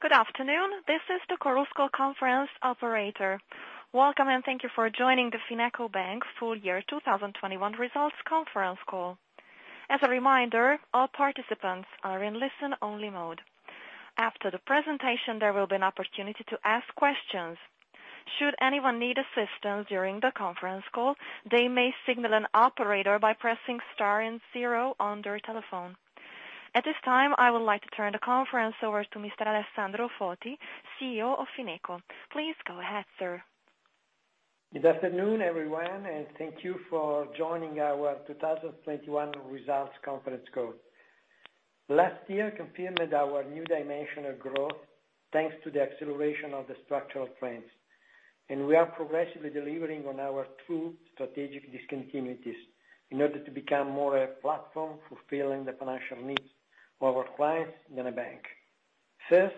Good afternoon. This is the Chorus Call conference operator. Welcome, and thank you for joining the FinecoBank Full Year 2021 Results Conference Call. As a reminder, all participants are in listen-only mode. After the presentation, there will be an opportunity to ask questions. Should anyone need assistance during the conference call, they may signal an operator by pressing star and zero on their telephone. At this time, I would like to turn the conference over to Mr. Alessandro Foti, CEO of FinecoBank. Please go ahead, sir. Good afternoon, everyone, and thank you for joining our 2021 results conference call. Last year confirmed our new dimension of growth, thanks to the acceleration of the structural trends. We are progressively delivering on our two strategic discontinuities in order to become more a platform fulfilling the financial needs of our clients than a bank. First,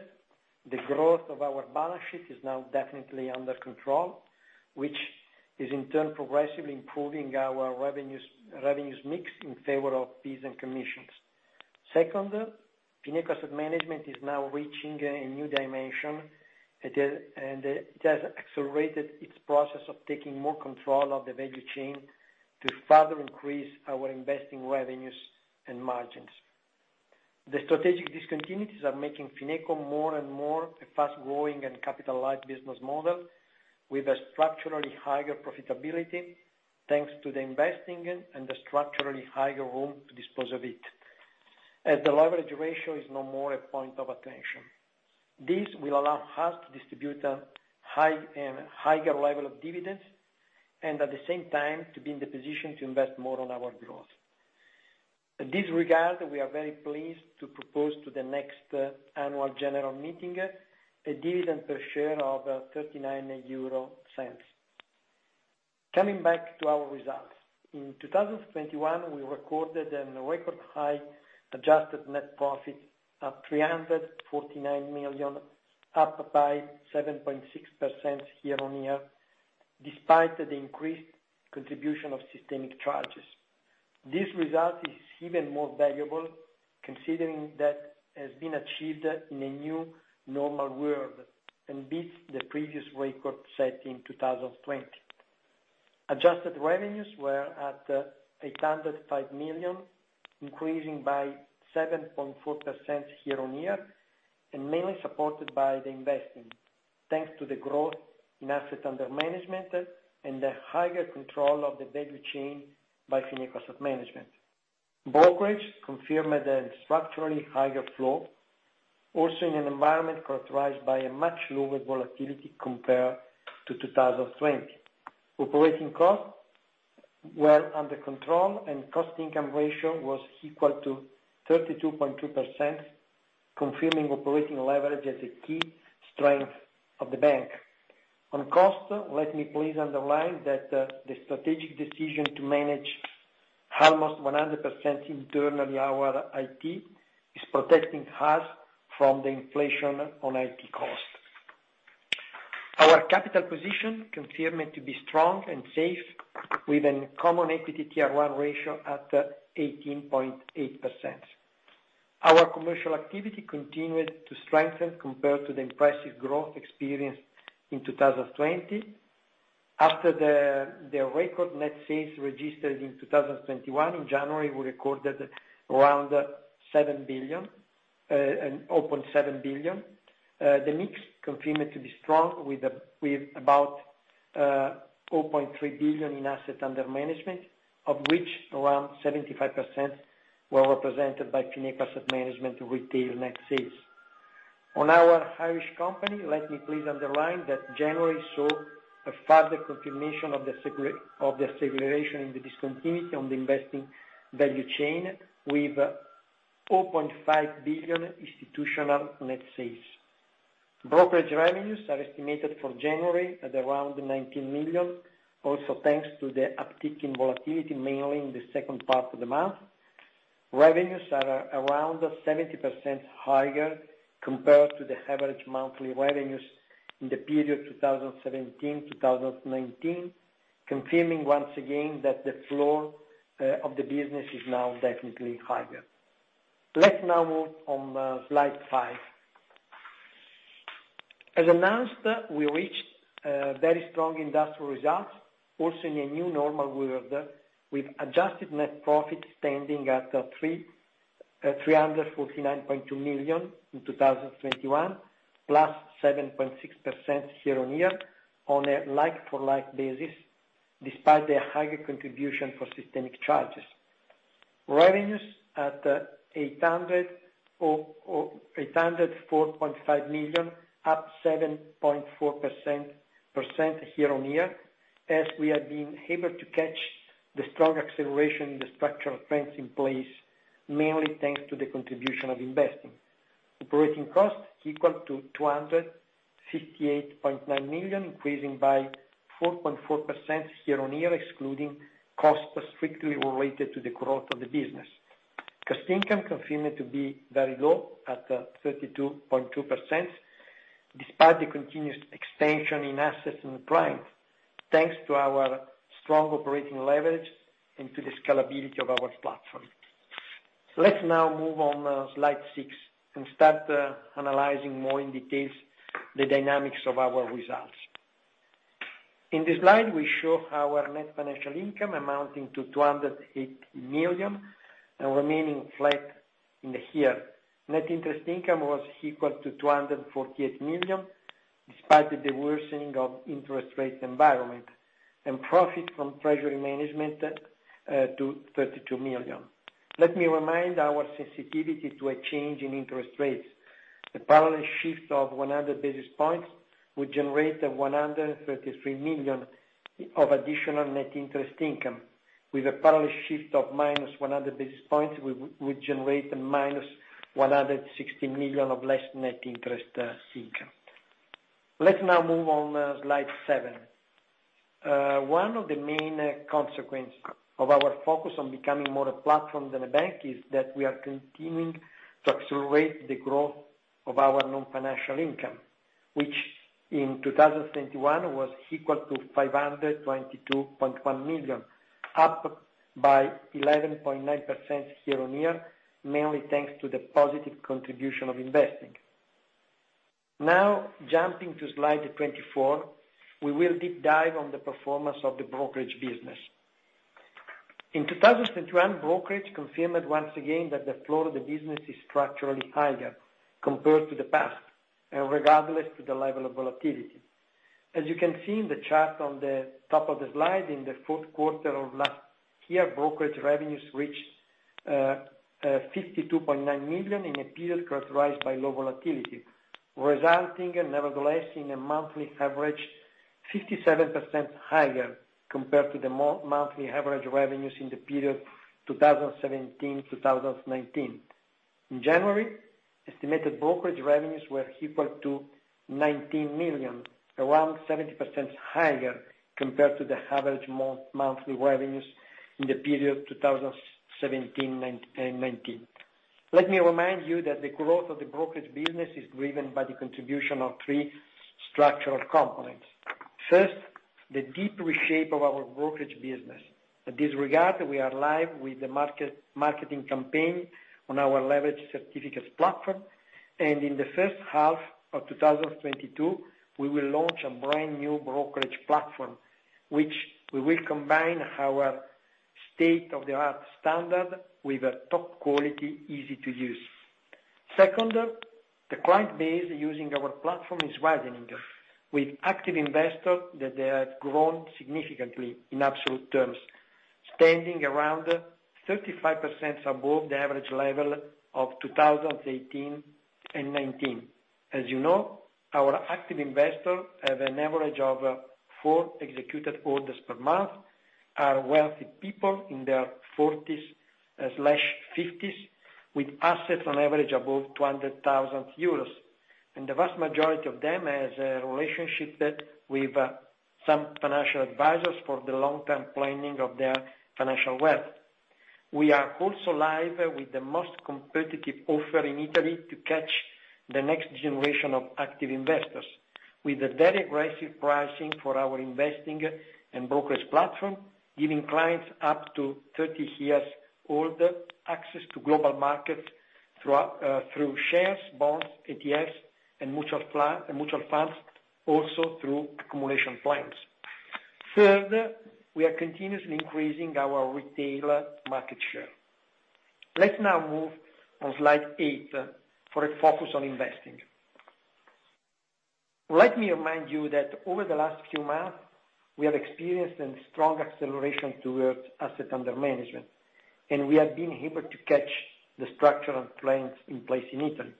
the growth of our balance sheet is now definitely under control, which is in turn progressively improving our revenue mix in favor of fees and commissions. Second, Fineco's management is now reaching a new dimension. It has accelerated its process of taking more control of the value chain to further increase our investing revenues and margins. The strategic discontinuities are making Fineco more and more a fast-growing and capital-light business model with a structurally higher profitability, thanks to the investing and the structurally higher room to dispose of it, as the leverage ratio is no more a point of attention. This will allow us to distribute a higher level of dividends and at the same time to be in the position to invest more on our growth. In this regard, we are very pleased to propose to the next annual general meeting a dividend per share of 0.39. Coming back to our results. In 2021, we recorded a record high adjusted net profit of 349 million, up by 7.6% year-on-year, despite the increased contribution of systemic charges. This result is even more valuable considering that it has been achieved in a new normal world and beats the previous record set in 2020. Adjusted revenues were at 805 million, increasing by 7.4% year-on-year, and mainly supported by the investing, thanks to the growth in assets under management and the higher control of the value chain by Fineco's management. Brokerage confirmed a structurally higher flow, also in an environment characterized by a much lower volatility compared to 2020. Operating costs were under control, and cost/income ratio was equal to 32.2%, confirming operating leverage as a key strength of the bank. On cost, let me please underline that the strategic decision to manage almost 100% internally our IT is protecting us from the inflation on IT costs. Our capital position continued to be strong and safe with a Common Equity Tier 1 ratio at 18.8%. Our commercial activity continued to strengthen compared to the impressive growth experienced in 2020. After the record net sales registered in 2021, January, we recorded around 7 billion. The mix continued to be strong with about 4.3 billion in assets under management, of which around 75% were represented by Fineco Asset Management retail net sales. On our Irish company, let me please underline that January saw a further confirmation of the segregation and the discontinuity on the investing value chain with 4.5 billion institutional net sales. Brokerage revenues are estimated for January at around 19 million, also thanks to the uptick in volatility, mainly in the second part of the month. Revenues are around 70% higher compared to the average monthly revenues in the period 2017-2019, confirming once again that the floor of the business is now definitely higher. Let's now move on, slide five. As announced, we reached very strong industrial results, also in a new normal world, with adjusted net profit standing at 349.2 million in 2021, +7.6% year-on-year on a like for like basis, despite the higher contribution for systemic charges. Revenues at 804.5 million, up 7.4% year-on-year as we have been able to catch the strong acceleration in the structural trends in place, mainly thanks to the contribution of investing. Operating costs equal to 268.9 million, increasing by 4.4% year-on-year, excluding costs strictly related to the growth of the business. Cost/income continued to be very low at 32.2%. Despite the continuous expansion in assets and clients, thanks to our strong operating leverage into the scalability of our platform. Let's now move on, slide six and start analyzing more in details the dynamics of our results. In this slide, we show our net financial income amounting to 280 million and remaining flat in the year. Net interest income was equal to 248 million, despite the worsening of interest rates environment and profit from treasury management to 32 million. Let me remind our sensitivity to a change in interest rates. The parallel shift of 100 basis points would generate a 133 million of additional net interest income. With a parallel shift of minus 100 basis points we generate a minus 160 million of less net interest income. Let's now move on, slide seven. One of the main consequence of our focus on becoming more a platform than a bank is that we are continuing to accelerate the growth of our non-financial income, which in 2021 was equal to 522.1 million, up by 11.9% year-on-year, mainly thanks to the positive contribution of investing. Now jumping to slide 24, we will deep dive on the performance of the brokerage business. In 2021, brokerage confirmed once again that the floor of the business is structurally higher compared to the past, regardless of the level of volatility. As you can see in the chart on the top of the slide, in the fourth quarter of last year, brokerage revenues reached 52.9 million in a period characterized by low volatility, resulting nevertheless in a monthly average 57% higher compared to the monthly average revenues in the period 2017, 2019. In January, estimated brokerage revenues were equal to 19 million, around 70% higher compared to the average monthly revenues in the period 2017, 2019. Let me remind you that the growth of the brokerage business is driven by the contribution of three structural components. First, the deep reshape of our brokerage business. In this regard, we are live with the marketing campaign on our leverage certificates platform, and in the first half of 2022, we will launch a brand new brokerage platform, which we will combine our state-of-the-art standard with a top-quality, easy to use. Second, the client base using our platform is widening, with active investors that they have grown significantly in absolute terms, standing around 35% above the average level of 2018 and 2019. As you know, our active investors have an average of four executed orders per month, are wealthy people in their forties/fifties with assets on average above 200,000 euros, and the vast majority of them has a relationship with some financial advisors for the long-term planning of their financial wealth. We are also live with the most competitive offer in Italy to catch the next generation of active investors with a very aggressive pricing for our investing and brokerage platform, giving clients up to 30 years old access to global markets through shares, bonds, ETFs and mutual funds, also through accumulation plans. Third, we are continuously increasing our retail market share. Let's now move on slide eight for a focus on investing. Let me remind you that over the last few months, we have experienced a strong acceleration towards assets under management, and we have been able to catch the structural trends in place in Italy.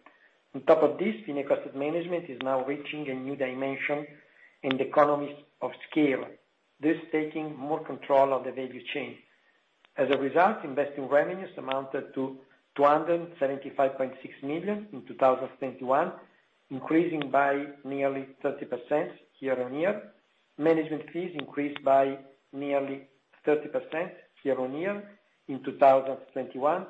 On top of this, Fineco Asset Management is now reaching a new dimension in the economies of scale, thus taking more control of the value chain. As a result, investing revenues amounted to 275.6 million in 2021, increasing by nearly 30% year-on-year. Management fees increased by nearly 30% year-on-year in 2021,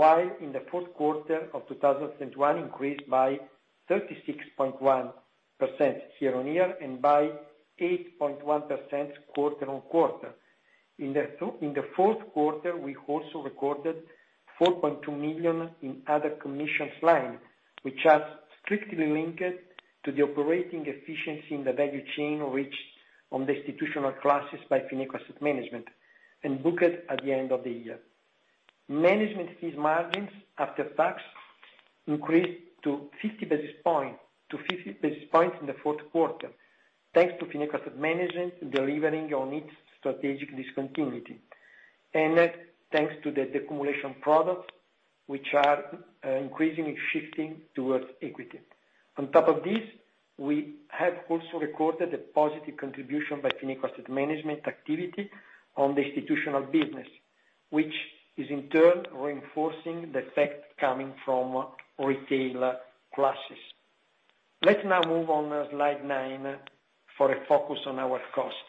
while in the fourth quarter of 2021 increased by 36.1% year-on-year and by 8.1% quarter-on-quarter. In the fourth quarter, we also recorded 4.2 million in other commissions line, which are strictly linked to the operating efficiency in the value chain reached on the institutional classes by Fineco Asset Management and booked at the end of the year. Management fees margins after tax increased to 50 basis points in the fourth quarter, thanks to Fineco Asset Management delivering on its strategic discontinuity, and that thanks to the decumulation products which are increasingly shifting towards equity. On top of this, we have also recorded a positive contribution by Fineco Asset Management activity on the institutional business, which is in turn reinforcing the effect coming from retail classes. Let's now move on to slide nine for a focus on our costs.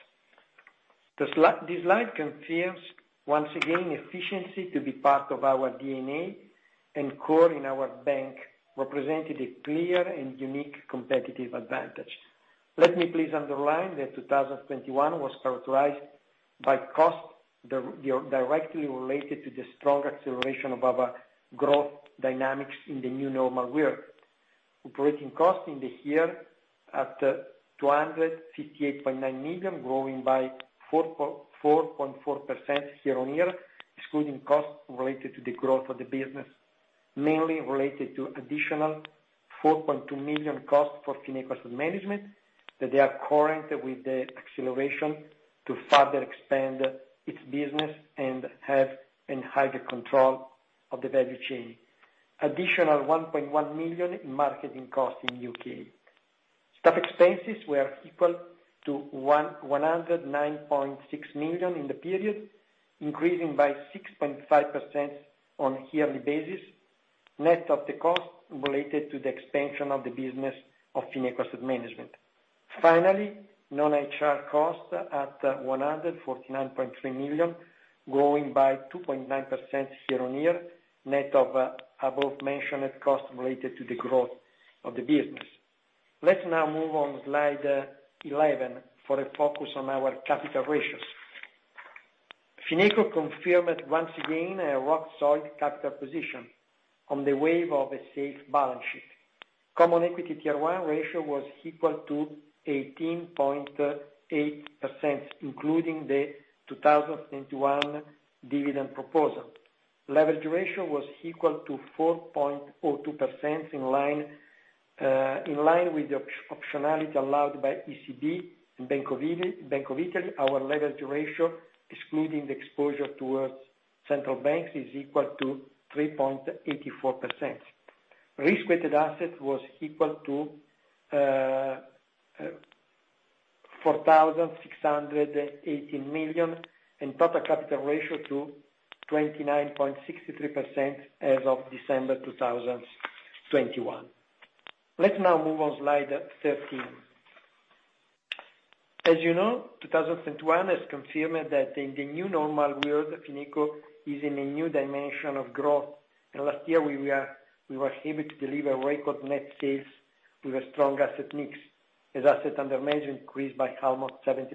This slide confirms once again efficiency to be part of our DNA and core in our bank represented a clear and unique competitive advantage. Let me please underline that 2021 was characterized by costs directly related to the strong acceleration of our growth dynamics in the new normal world. Operating costs in the year at 258.9 million, growing by 4.4% year-on-year, excluding costs related to the growth of the business, mainly related to additional 4.2 million costs for Fineco Asset Management, that are incurred with the acceleration to further expand its business and have a higher control of the value chain. Additional 1.1 million in marketing costs in U.K. Staff expenses were equal to 109.6 million in the period, increasing by 6.5% on a yearly basis, net of the cost related to the expansion of the business of Fineco Asset Management. Finally, non-HR costs at 149.3 million, growing by 2.9% year-on-year, net of above-mentioned costs related to the growth of the business. Let's now move on slide 11 for a focus on our capital ratios. Fineco confirmed once again a rock-solid capital position on the wave of a safe balance sheet. Common Equity Tier 1 ratio was equal to 18.8%, including the 2021 dividend proposal. Leverage ratio was equal to 4.02% in line with the optionality allowed by ECB and Bank of Italy. Our leverage ratio, excluding the exposure towards central banks, is equal to 3.84%. Risk-weighted assets was equal to 4,680 million, and total capital ratio to 29.63% as of December 2021. Let's now move on slide 13. As you know, 2021 has confirmed that in the new normal world, Fineco is in a new dimension of growth. Last year we were able to deliver record net sales with a strong asset mix as assets under management increased by almost 70%.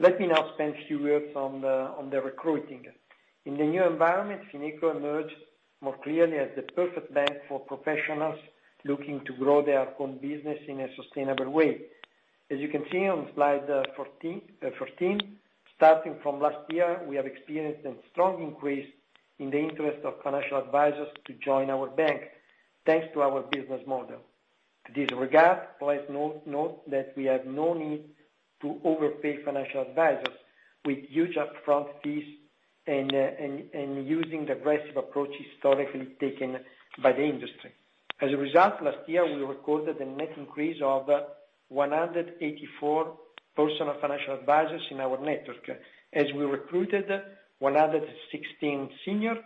Let me now spend a few words on the recruiting. In the new environment, Fineco emerged more clearly as the perfect bank for professionals looking to grow their own business in a sustainable way. As you can see on slide 14, starting from last year, we have experienced a strong increase in the interest of financial advisors to join our bank, thanks to our business model. In this regard, please note that we have no need to overpay financial advisors with huge upfront fees and using the aggressive approach historically taken by the industry. As a result, last year, we recorded a net increase of 184 personal financial advisors in our network, as we recruited 116 senior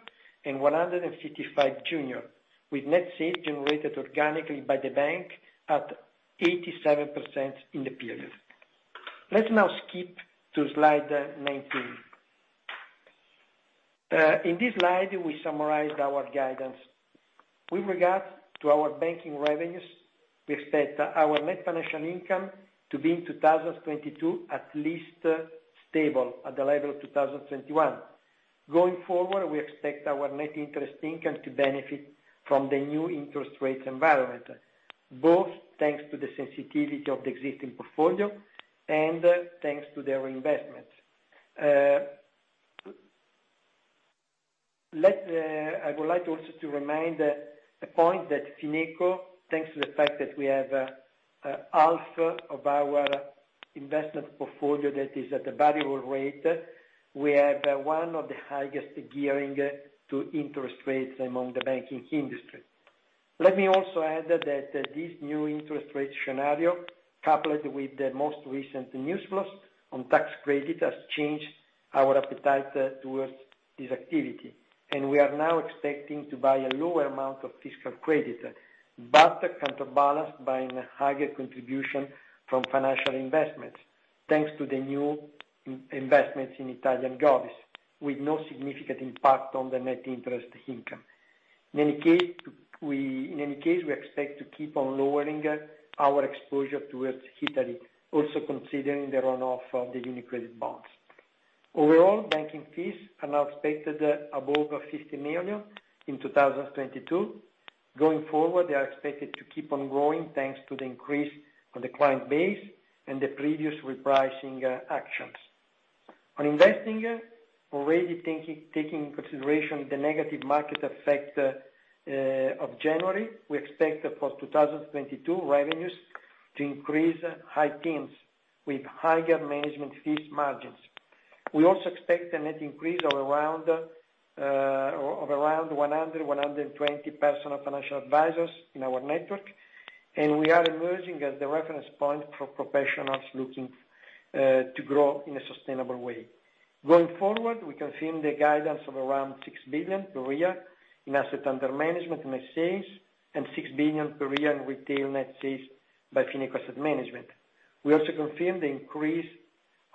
and 155 junior, with net sales generated organically by the bank at 87% in the period. Let's now skip to slide 19. In this slide, we summarized our guidance. With regards to our banking revenues, we expect our net financial income to be in 2022 at least stable at the level of 2021. Going forward, we expect our net interest income to benefit from the new interest rates environment, both thanks to the sensitivity of the existing portfolio and thanks to their investments. I would like also to remind the point that Fineco, thanks to the fact that we have half of our investment portfolio that is at a variable rate, we have one of the highest gearing to interest rates among the banking industry. Let me also add that this new interest rate scenario, coupled with the most recent news flows on tax credit, has changed our appetite towards this activity. We are now expecting to buy a lower amount of tax credit, but counterbalanced by a higher contribution from financial investments, thanks to the new investments in Italian government, with no significant impact on the net interest income. In any case, we expect to keep on lowering our exposure towards Italy, also considering the run-off of the UniCredit bonds. Overall, banking fees are now expected above 50 million in 2022. Going forward, they are expected to keep on growing thanks to the increase of the client base and the previous repricing actions. On investing, already taking in consideration the negative market effect of January, we expect for 2022 revenues to increase high-teens with higher management fees margins. We also expect a net increase of around 120 personal financial advisors in our network, and we are emerging as the reference point for professionals looking to grow in a sustainable way. Going forward, we confirm the guidance of around 6 billion per year in assets under management net sales, and 6 billion per year in retail net sales by Fineco Asset Management. We also confirm the increase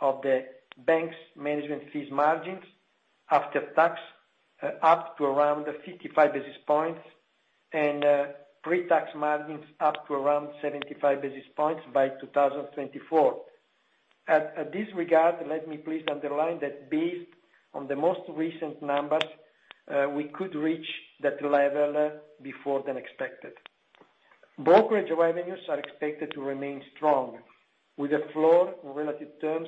of the bank's management fees margins after tax, up to around 55 basis points, and pre-tax margins up to around 75 basis points by 2024. At this regard, let me please underline that based on the most recent numbers, we could reach that level earlier than expected. Brokerage revenues are expected to remain strong with a floor in relative terms,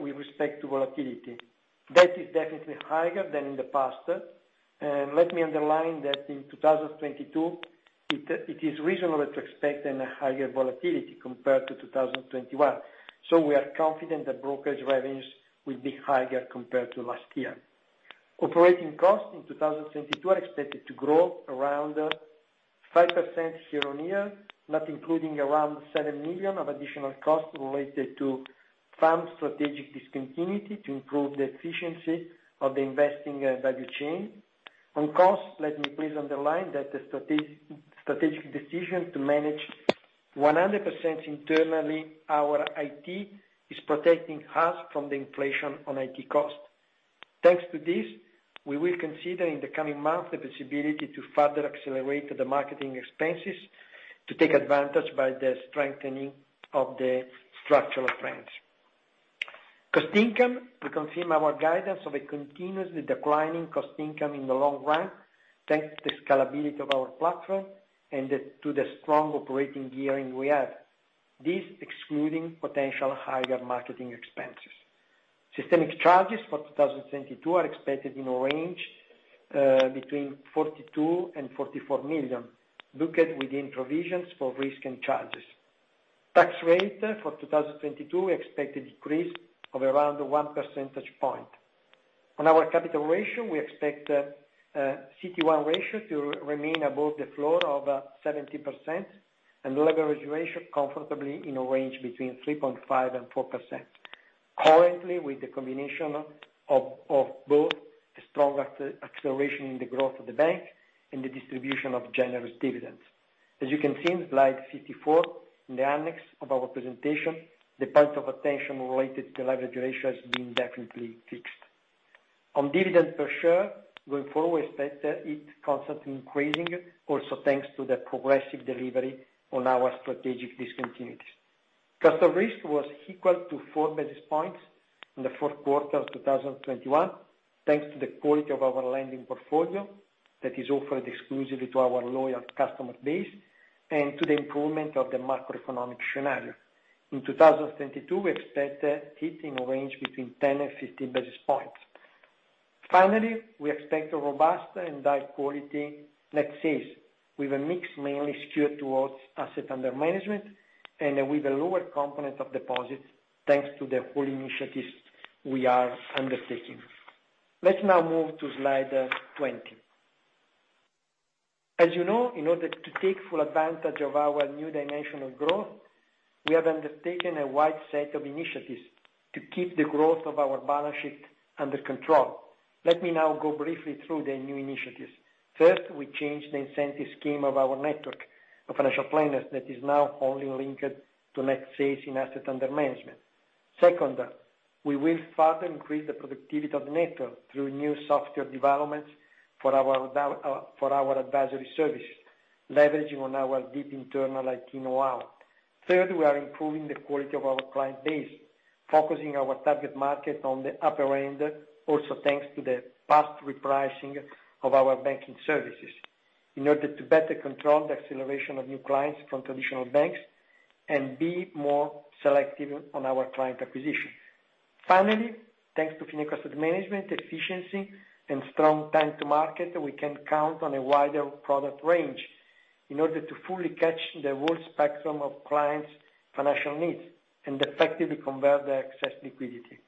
with respect to volatility. That is definitely higher than in the past. Let me underline that in 2022, it is reasonable to expect a higher volatility compared to 2021. We are confident that brokerage revenues will be higher compared to last year. Operating costs in 2022 are expected to grow around 5% year-on-year, not including around 7 million of additional costs related to some strategic discontinuity to improve the efficiency of the investing value chain. On costs, let me please underline that the strategic decision to manage 100% internally our IT is protecting us from the inflation on IT costs. Thanks to this, we will consider in the coming months the possibility to further accelerate the marketing expenses to take advantage of the strengthening of the structural trends. Cost/income, we confirm our guidance of a continuously declining cost/income in the long run, thanks to the scalability of our platform and to the strong operating gearing we have, this excluding potential higher marketing expenses. Systemic charges for 2022 are expected in a range between 42 million and 44 million, looked at within provisions for risk and charges. Tax rate for 2022, we expect a decrease of around one percentage point. On our capital ratio, we expect CET1 ratio to remain above the floor of 70%, and leverage ratio comfortably in a range between 3.5% and 4%. Currently, with the combination of both the strong acceleration in the growth of the bank and the distribution of generous dividends. As you can see on slide 54 in the annex of our presentation, the point of attention related to leverage ratio has been definitely fixed. On dividend per share, going forward, we expect it constantly increasing, also thanks to the progressive delivery on our strategic discontinuities. Cost of risk was equal to four basis points in the fourth quarter of 2021, thanks to the quality of our lending portfolio that is offered exclusively to our loyal customer base and to the improvement of the macroeconomic scenario. In 2022, we expect it hitting a range between 10-15 basis points. Finally, we expect a robust and high quality net sales with a mix mainly skewed towards assets under management and with a lower component of deposits, thanks to the whole initiatives we are undertaking. Let's now move to slide 20. As you know, in order to take full advantage of our new dimension of growth, we have undertaken a wide set of initiatives to keep the growth of our balance sheet under control. Let me now go briefly through the new initiatives. First, we changed the incentive scheme of our network of financial planners that is now only linked to net sales in assets under management. Second, we will further increase the productivity of the network through new software developments for our advisory services, leveraging on our deep internal IT know-how. Third, we are improving the quality of our client base, focusing our target market on the upper end, also thanks to the past repricing of our banking services in order to better control the acceleration of new clients from traditional banks and be more selective on our client acquisition. Finally, thanks to Fineco Asset Management efficiency and strong time to market, we can count on a wider product range in order to fully catch the whole spectrum of clients' financial needs and effectively convert the excess liquidity.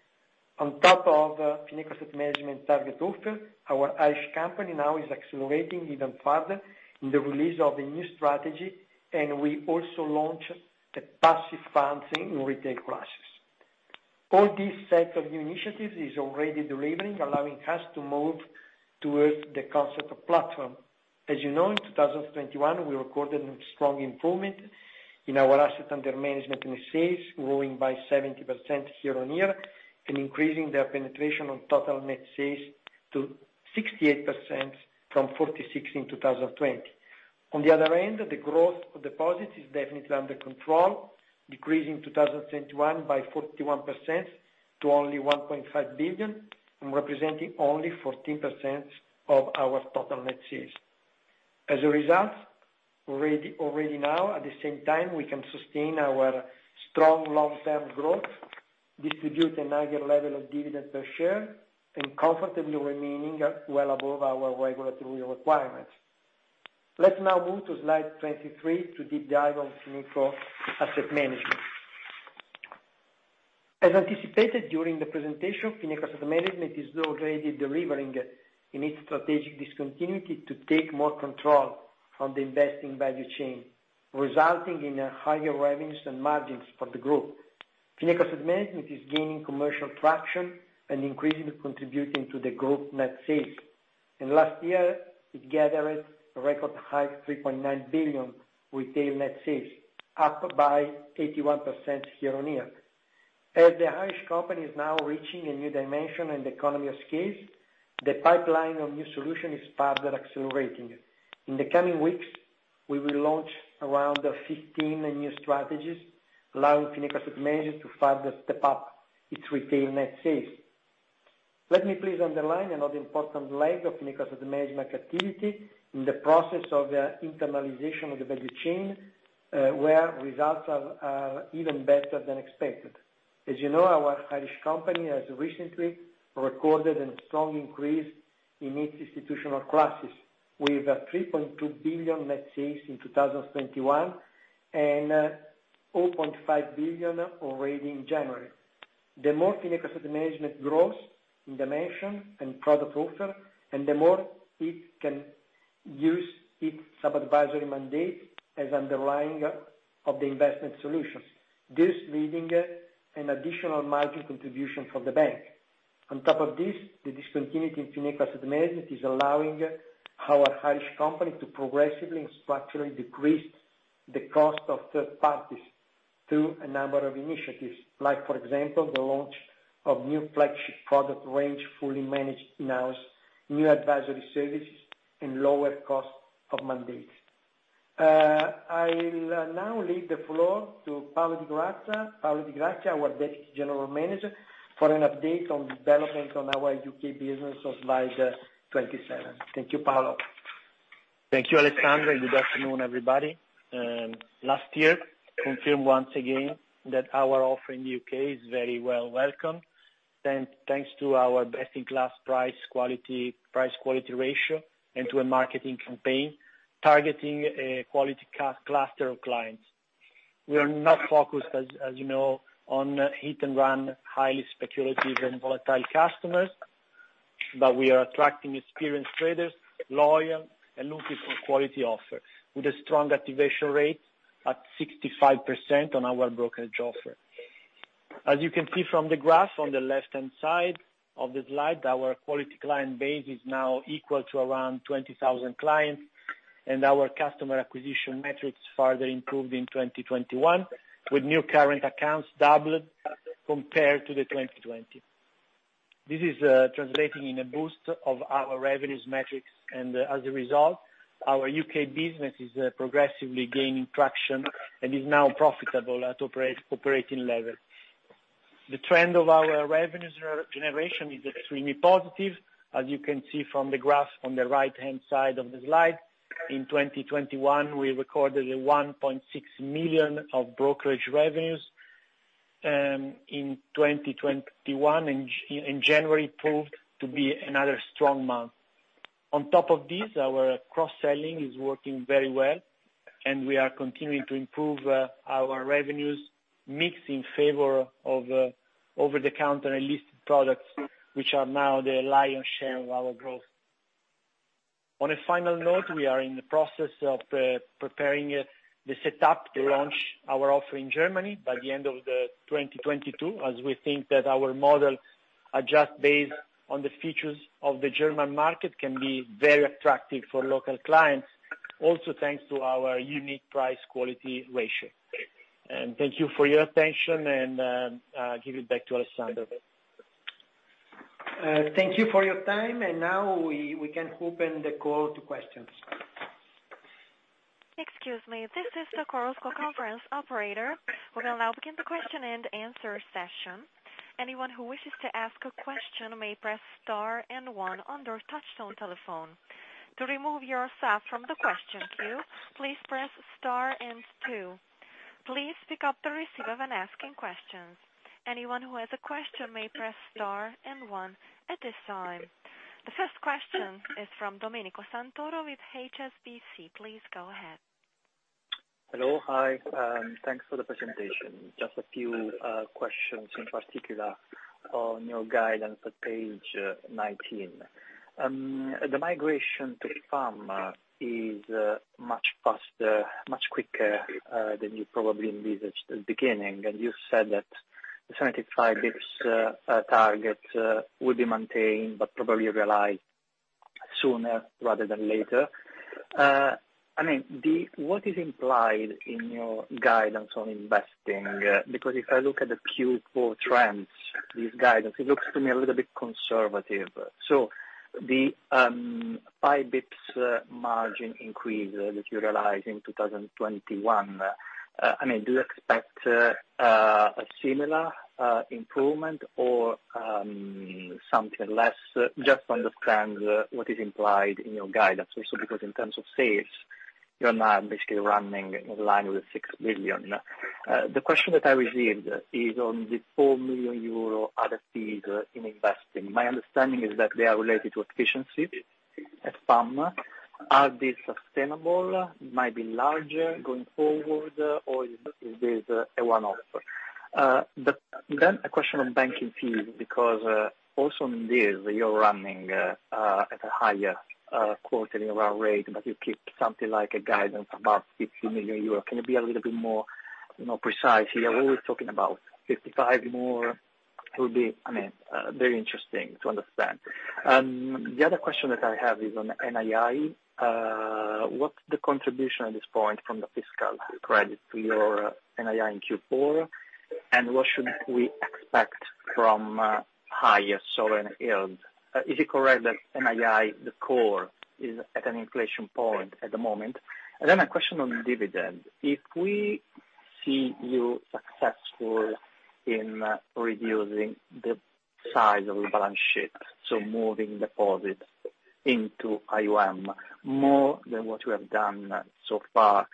On top of Fineco Asset Management target offer, our Irish company now is accelerating even further in the release of the new strategy, and we also launched the passive funds in retail classes. All this set of new initiatives is already delivering, allowing us to move towards the concept of platform. As you know, in 2021, we recorded strong improvement in our assets under management net sales, growing by 70% year-on-year and increasing their penetration on total net sales to 68% from 46 in 2020. On the other hand, the growth of deposits is definitely under control, decreasing in 2021 by 41% to only 1.5 billion, and representing only 14% of our total net sales. As a result, already now, at the same time, we can sustain our strong long-term growth, distribute a higher level of dividends per share, and comfortably remaining well above our regulatory requirements. Let's now move to slide 23 to deep dive on Fineco Asset Management. As anticipated during the presentation, Fineco Asset Management is already delivering in its strategic discontinuity to take more control on the investing value chain, resulting in higher revenues and margins for the group. Fineco Asset Management is gaining commercial traction and increasingly contributing to the group net sales. In last year, it gathered a record high 3.9 billion retail net sales, up by 81% year-on-year. As the Irish company is now reaching a new dimension and economies of scale, the pipeline of new solution is further accelerating. In the coming weeks, we will launch around 15 new strategies, allowing Fineco Asset Management to further step up its retail net sales. Let me please underline another important leg of Fineco Asset Management activity in the process of the internalization of the value chain, where results are even better than expected. As you know, our Irish company has recently recorded a strong increase in its institutional classes with 3.2 billion net sales in 2021, and 0.5 billion already in January. The more Fineco Asset Management grows in dimension and product offer, and the more it can use its sub-advisory mandate as underlying of the investment solutions, thus leaving an additional margin contribution from the bank. On top of this, the discontinuity in Fineco Asset Management is allowing our Irish company to progressively and structurally decrease the cost of third parties through a number of initiatives, like for example, the launch of new flagship product range, fully managed in-house, new advisory services, and lower cost of mandate. I will now leave the floor to Paolo Di Grazia, our Deputy General Manager, for an update on developments in our U.K. business on slide 27. Thank you, Paolo. Thank you, Alessandro. Good afternoon, everybody. Last year confirmed once again that our offer in the U.K. is very well welcome, thanks to our best-in-class price-quality ratio and to a marketing campaign targeting a quality CAS cluster of clients. We are not focused, as you know, on hit-and-run, highly speculative and volatile customers, but we are attracting experienced traders, loyal and looking for quality offers with a strong activation rate at 65% on our brokerage offer. As you can see from the graph on the left-hand side of the slide, our quality client base is now equal to around 20,000 clients, and our customer acquisition metrics further improved in 2021, with new current accounts doubled compared to the 2020. This is translating into a boost of our revenue metrics, and as a result, our UK business is progressively gaining traction and is now profitable at operating level. The trend of our revenue regeneration is extremely positive. As you can see from the graph on the right-hand side of the slide, in 2021 we recorded 1.6 million of brokerage revenues. In January, it proved to be another strong month. On top of this, our cross-selling is working very well, and we are continuing to improve our revenues mix in favor of over-the-counter and listed products, which are now the lion's share of our growth. On a final note, we are in the process of preparing the setup to launch our offer in Germany by the end of 2022, as we think that our model, adjusted based on the features of the German market, can be very attractive for local clients, also thanks to our unique price quality ratio. Thank you for your attention and I give it back to Alessandro. Thank you for your time, and now we can open the call to questions. Excuse me. This is the Chorus Call conference operator. We will now begin the question-and-answer session. The first question is from Domenico Santoro with HSBC. Please go ahead. Hello. Hi, thanks for the presentation. Just a few questions, in particular on your guidance on page 19. The migration to FAM is much faster, much quicker than you probably envisaged at the beginning. You said that the 75 bps target will be maintained, but probably realized sooner rather than later. I mean, what is implied in your guidance on investing? Because if I look at the Q4 trends, this guidance, it looks to me a little bit conservative. The five basis point margin increase that you realize in 2021, I mean, do you expect a similar improvement or something less? Just to understand what is implied in your guidance also, because in terms of sales, you're now basically running in line with 6 billion. The question that I received is on the 4 million euro other fees in investing. My understanding is that they are related to efficiencies at FAM. Are these sustainable, might be larger going forward, or is this a one-off? Then a question on banking fees, because also in this, you're running at a higher quarterly run rate, but you keep something like a guidance about 50 million euros. Can you be a little bit more, you know, precise here? Are we talking about 55 more? It will be, I mean, very interesting to understand. The other question that I have is on NII. What's the contribution at this point from the tax credit to your NII in Q4, and what should we expect from higher sovereign yields? Is it correct that NII, the core, is at an inflection point at the moment? Then a question on dividend. If we see you successful in reducing the size of the balance sheet, so moving deposits into AUM, more than what you have done so far,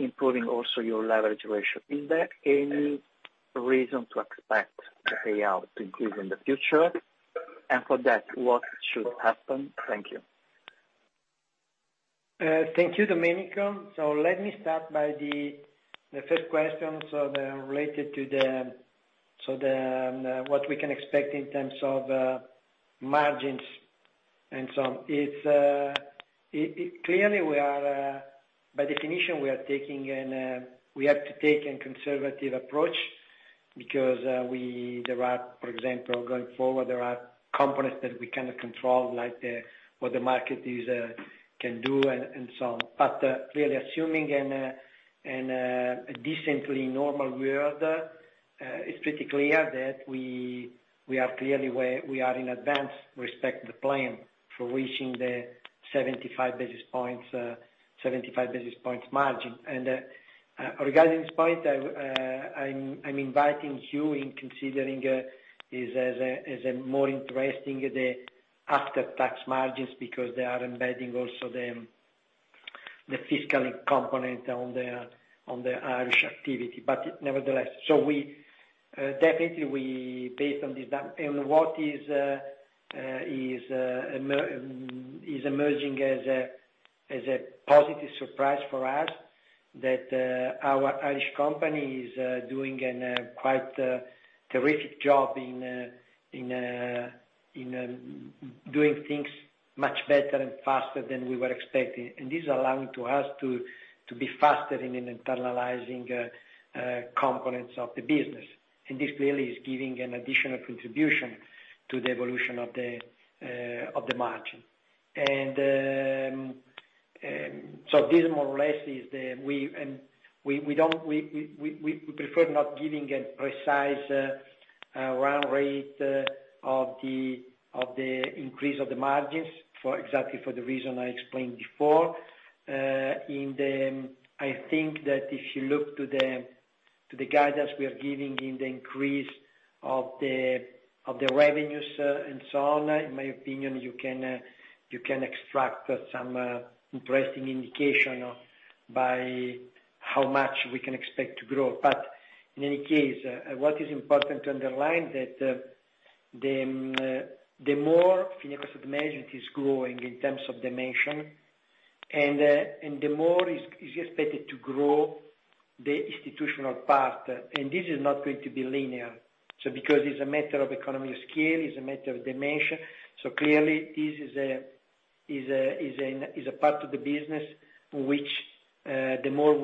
improving also your leverage ratio, is there any reason to expect the payout to increase in the future? For that, what should happen? Thank you. Thank you, Domenico. Let me start by the first question, what we can expect in terms of margins and so on. Clearly we are, by definition, taking a conservative approach because there are, for example, going forward, components that we cannot control, like what the market can do and so on. Clearly assuming a decently normal world, it is pretty clear that we are clearly where we are in advance with respect to the plan for reaching the 75 basis points margin. Regarding this point, I'm inviting you to consider it as more interesting the after-tax margins because they are embedding also the fiscal component on the Irish activity. Nevertheless, we definitely based on this and what is emerging as a positive surprise for us that our Irish company is doing quite a terrific job in doing things much better and faster than we were expecting. This is allowing us to be faster in internalizing components of the business. This really is giving an additional contribution to the evolution of the margin. This more or less is the.. We prefer not giving a precise run rate of the increase of the margins for exactly the reason I explained before. I think that if you look to the guidance we are giving in the increase of the revenues, and so on, in my opinion, you can extract some interesting indication of by how much we can expect to grow. What is important to underline that the more Fineco's management is growing in terms of dimension and the more is expected to grow the institutional part, and this is not going to be linear. Because it's a matter of economy of scale, it's a matter of dimension. Clearly this is a part of the business which the more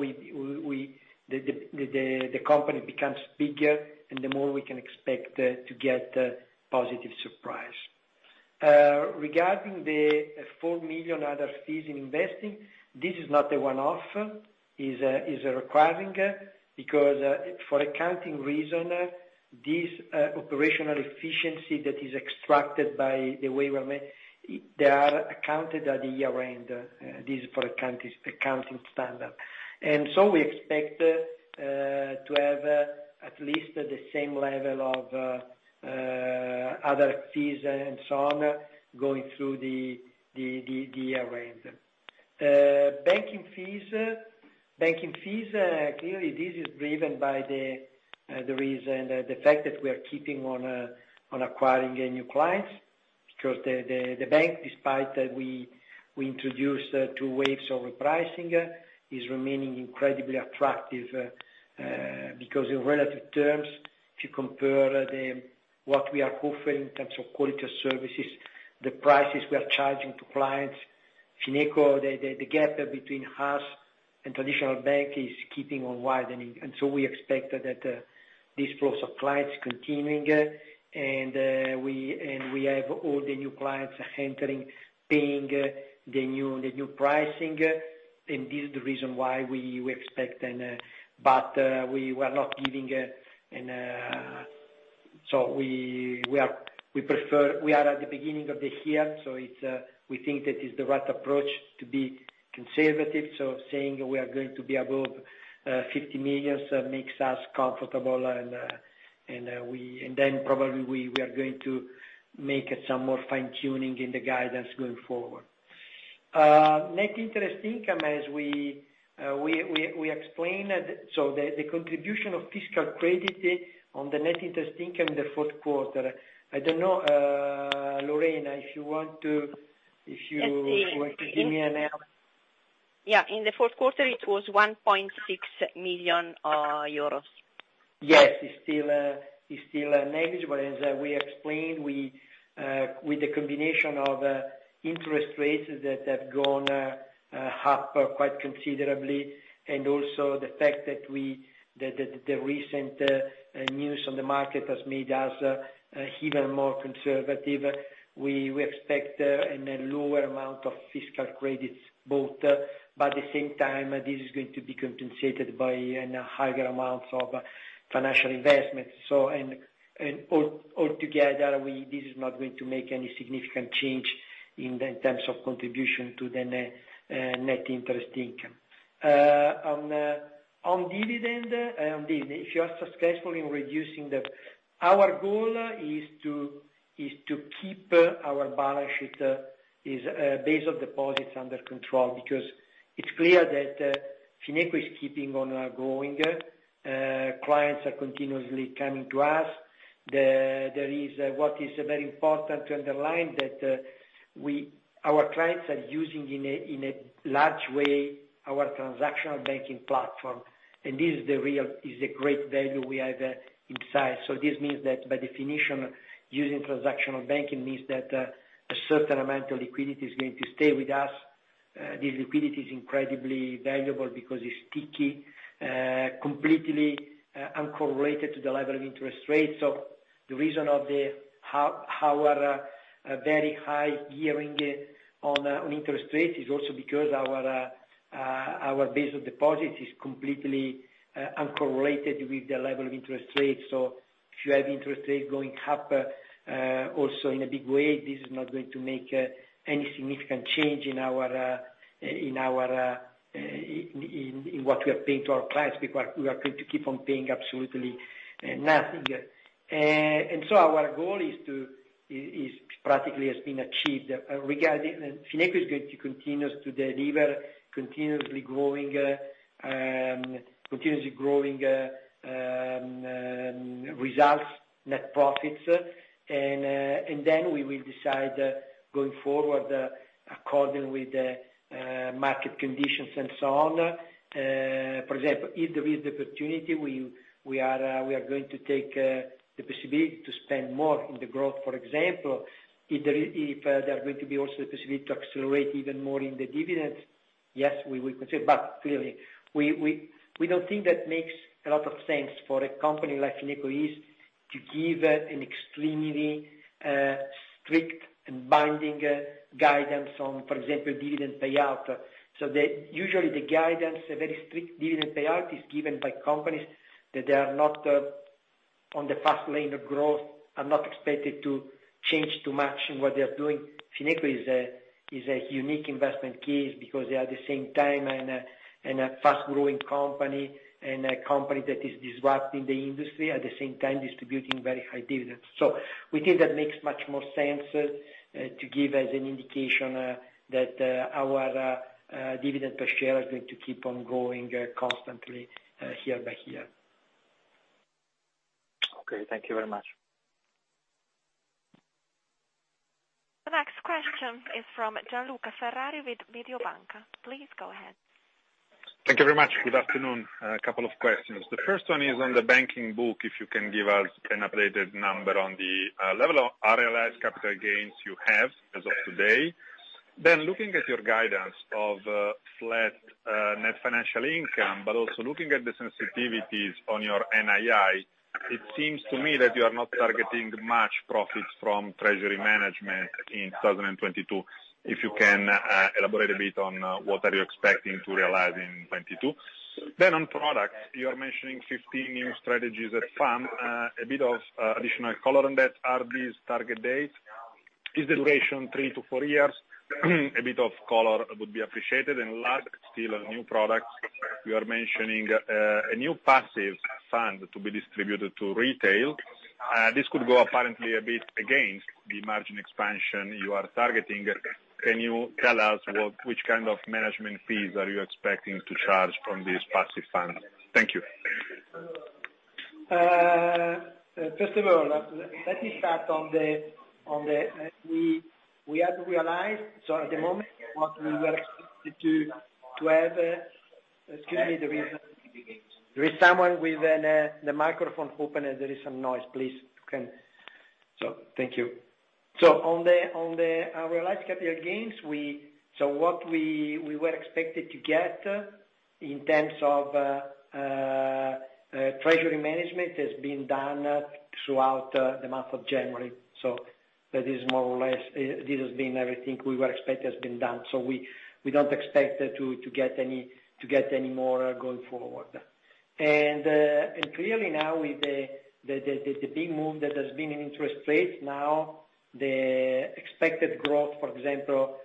the company becomes bigger and the more we can expect to get a positive surprise. Regarding the 4 million other fees in investing, this is not a one-off. It is recurring, because for accounting reason, this operational efficiency that is extracted by the way we're managing it, they are accounted at the year-end. This is for accounting standard. We expect to have at least the same level of other fees and so on, going through the year-end. Banking fees clearly this is driven by the reason, the fact that we are keeping on acquiring new clients. Because the bank, despite that we introduced two waves of repricing, is remaining incredibly attractive because in relative terms, if you compare what we are offering in terms of quality of services, the prices we are charging to clients, Fineco, the gap between us and traditional bank is keeping on widening. We expect that this flow of clients continuing, and we have all the new clients entering, paying the new pricing, and this is the reason why we expect an. We were not giving an. We are at the beginning of the year. We think that is the right approach to be conservative. Saying we are going to be above 50 million makes us comfortable and then probably we are going to make some more fine-tuning in the guidance going forward. Net interest income, as we explained, so the contribution of tax credit on the net interest income in the fourth quarter. I don't know, Lorena, if you want to. Yes, yes Want to give me a hand. Yeah, in the fourth quarter it was 1.6 million euros. Yes. It's still negligible. As we explained, with the combination of interest rates that have gone up quite considerably, and also the fact that the recent news on the market has made us even more conservative, we expect in a lower amount of tax credits both. But at the same time, this is going to be compensated by a higher amount of financial investment. All together, this is not going to make any significant change in the terms of contribution to the net interest income. On dividend, if you are successful in reducing the. Our goal is to keep our balance sheet base of deposits under control because it's clear that Fineco is keeping on growing. Clients are continuously coming to us. There is what is very important to underline, that our clients are using in a large way our transactional banking platform, and this is a great value we have in size. This means that by definition, using transactional banking means that a certain amount of liquidity is going to stay with us. This liquidity is incredibly valuable because it's sticky, completely uncorrelated to the level of interest rates. The reason how we're very high gearing on interest rates is also because our base of deposits is completely uncorrelated with the level of interest rates. If you have interest rates going up, also in a big way, this is not going to make any significant change in what we are paying to our clients. We are going to keep on paying absolutely nothing. Our goal is practically has been achieved. Regarding Fineco is going to continue to deliver continuously growing results, net profits, and then we will decide going forward according with the market conditions and so on. For example, if there is the opportunity, we are going to take the possibility to spend more in the growth, for example. If there are going to be also the possibility to accelerate even more in the dividends, yes, we will consider. Clearly, we don't think that makes a lot of sense for a company like Fineco to give an extremely strict and binding guidance on, for example, dividend payout. Usually the guidance, a very strict dividend payout is given by companies that they are not on the fast lane of growth, are not expected to change too much in what they are doing. Fineco is a unique investment case because they are at the same time a fast growing company and a company that is disrupting the industry, at the same time distributing very high dividends. We think that makes much more sense to give as an indication that our dividend per share is going to keep on growing constantly year by year. Okay. Thank you very much. The next question is from Gianluca Ferrari with Mediobanca. Please go ahead. Thank you very much. Good afternoon. A couple of questions. The first one is on the banking book, if you can give us an updated number on the level of realized capital gains you have as of today. Then looking at your guidance of flat net financial income, but also looking at the sensitivities on your NII, it seems to me that you are not targeting much profits from treasury management in 2022. If you can elaborate a bit on what are you expecting to realize in 2022. Then on products, you are mentioning 15 new strategies at FAM. A bit of additional color on that. Are these target date? Is the duration three to four years? A bit of color would be appreciated. Last, still on new products, you are mentioning a new passive fund to be distributed to retail. This could go apparently a bit against the margin expansion you are targeting. Can you tell us which kind of management fees are you expecting to charge from this passive fund? Thank you. Excuse me, there is someone with the microphone open and there is some noise. Please, you can. Thank you. On our realized capital gains, what we were expected to get in terms of treasury management has been done throughout the month of January. That is more or less. This has been everything we were expecting has been done. We don't expect to get any more going forward. Clearly now with the big move that has been in interest rates, the expected growth, for example,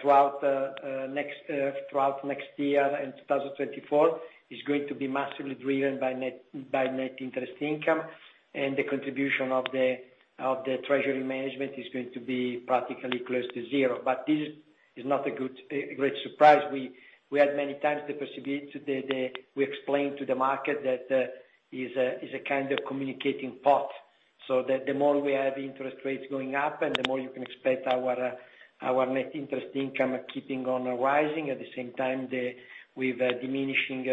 throughout next year in 2024 is going to be massively driven by net interest income and the contribution of the treasury management is going to be practically close to zero. This is not a great surprise. We had many times the possibility to explain to the market that is a kind of communicating vessels. The more we have interest rates going up, and the more you can expect our net interest income keeping on rising, at the same time with diminishing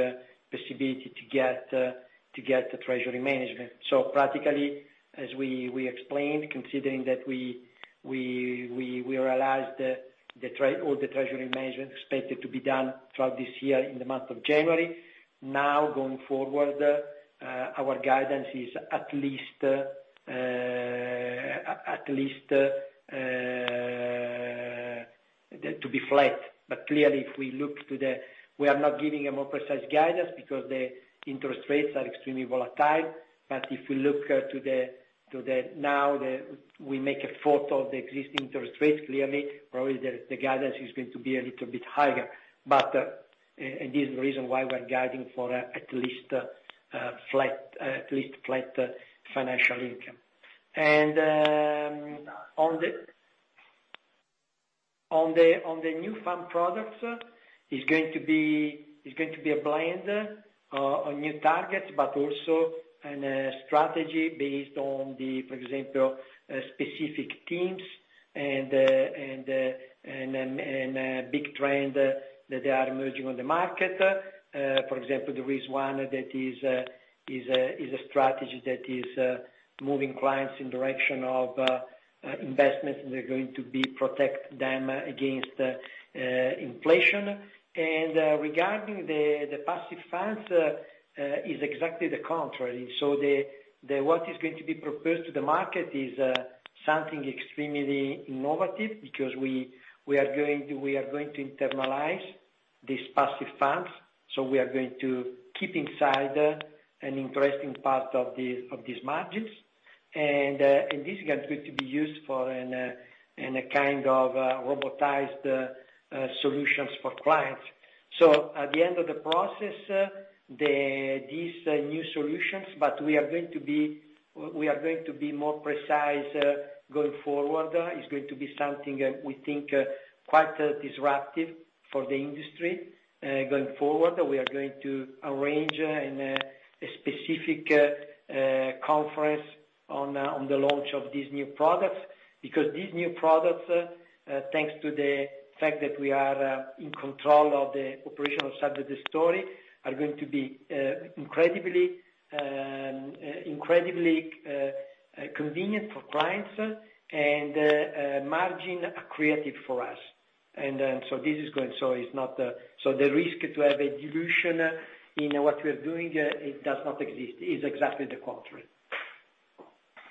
possibility to get the treasury management. Practically, as we explained, considering that we realized the treasury management expected to be done throughout this year in the month of January. Now going forward, our guidance is at least to be flat. Clearly if we look to the future, we are not giving a more precise guidance because the interest rates are extremely volatile. If we look to the now, we take a snapshot of the existing interest rates, clearly probably the guidance is going to be a little bit higher. This is the reason why we're guiding for at least flat financial income. On the new fund products, it is going to be a blend on new targets, but also strategy based on, for example, specific teams and big trends that are emerging on the market. For example, there is one that is a strategy that is moving clients in the direction of investments, and they're going to protect them against inflation. Regarding the passive funds, it is exactly the contrary. What is going to be proposed to the market is something extremely innovative because we are going to internalize these passive funds. We are going to keep inside an interesting part of these margins. This is going to be used for a kind of robotized solutions for clients. At the end of the process, these new solutions, but we are going to be more precise going forward. It's going to be something we think quite disruptive for the industry. Going forward, we are going to arrange a specific conference on the launch of these new products. Because these new products, thanks to the fact that we are in control of the operational side of the story, are going to be incredibly convenient for clients and margin accretive for us. It's not so, the risk to have a dilution in what we're doing, it does not exist, is exactly the contrary.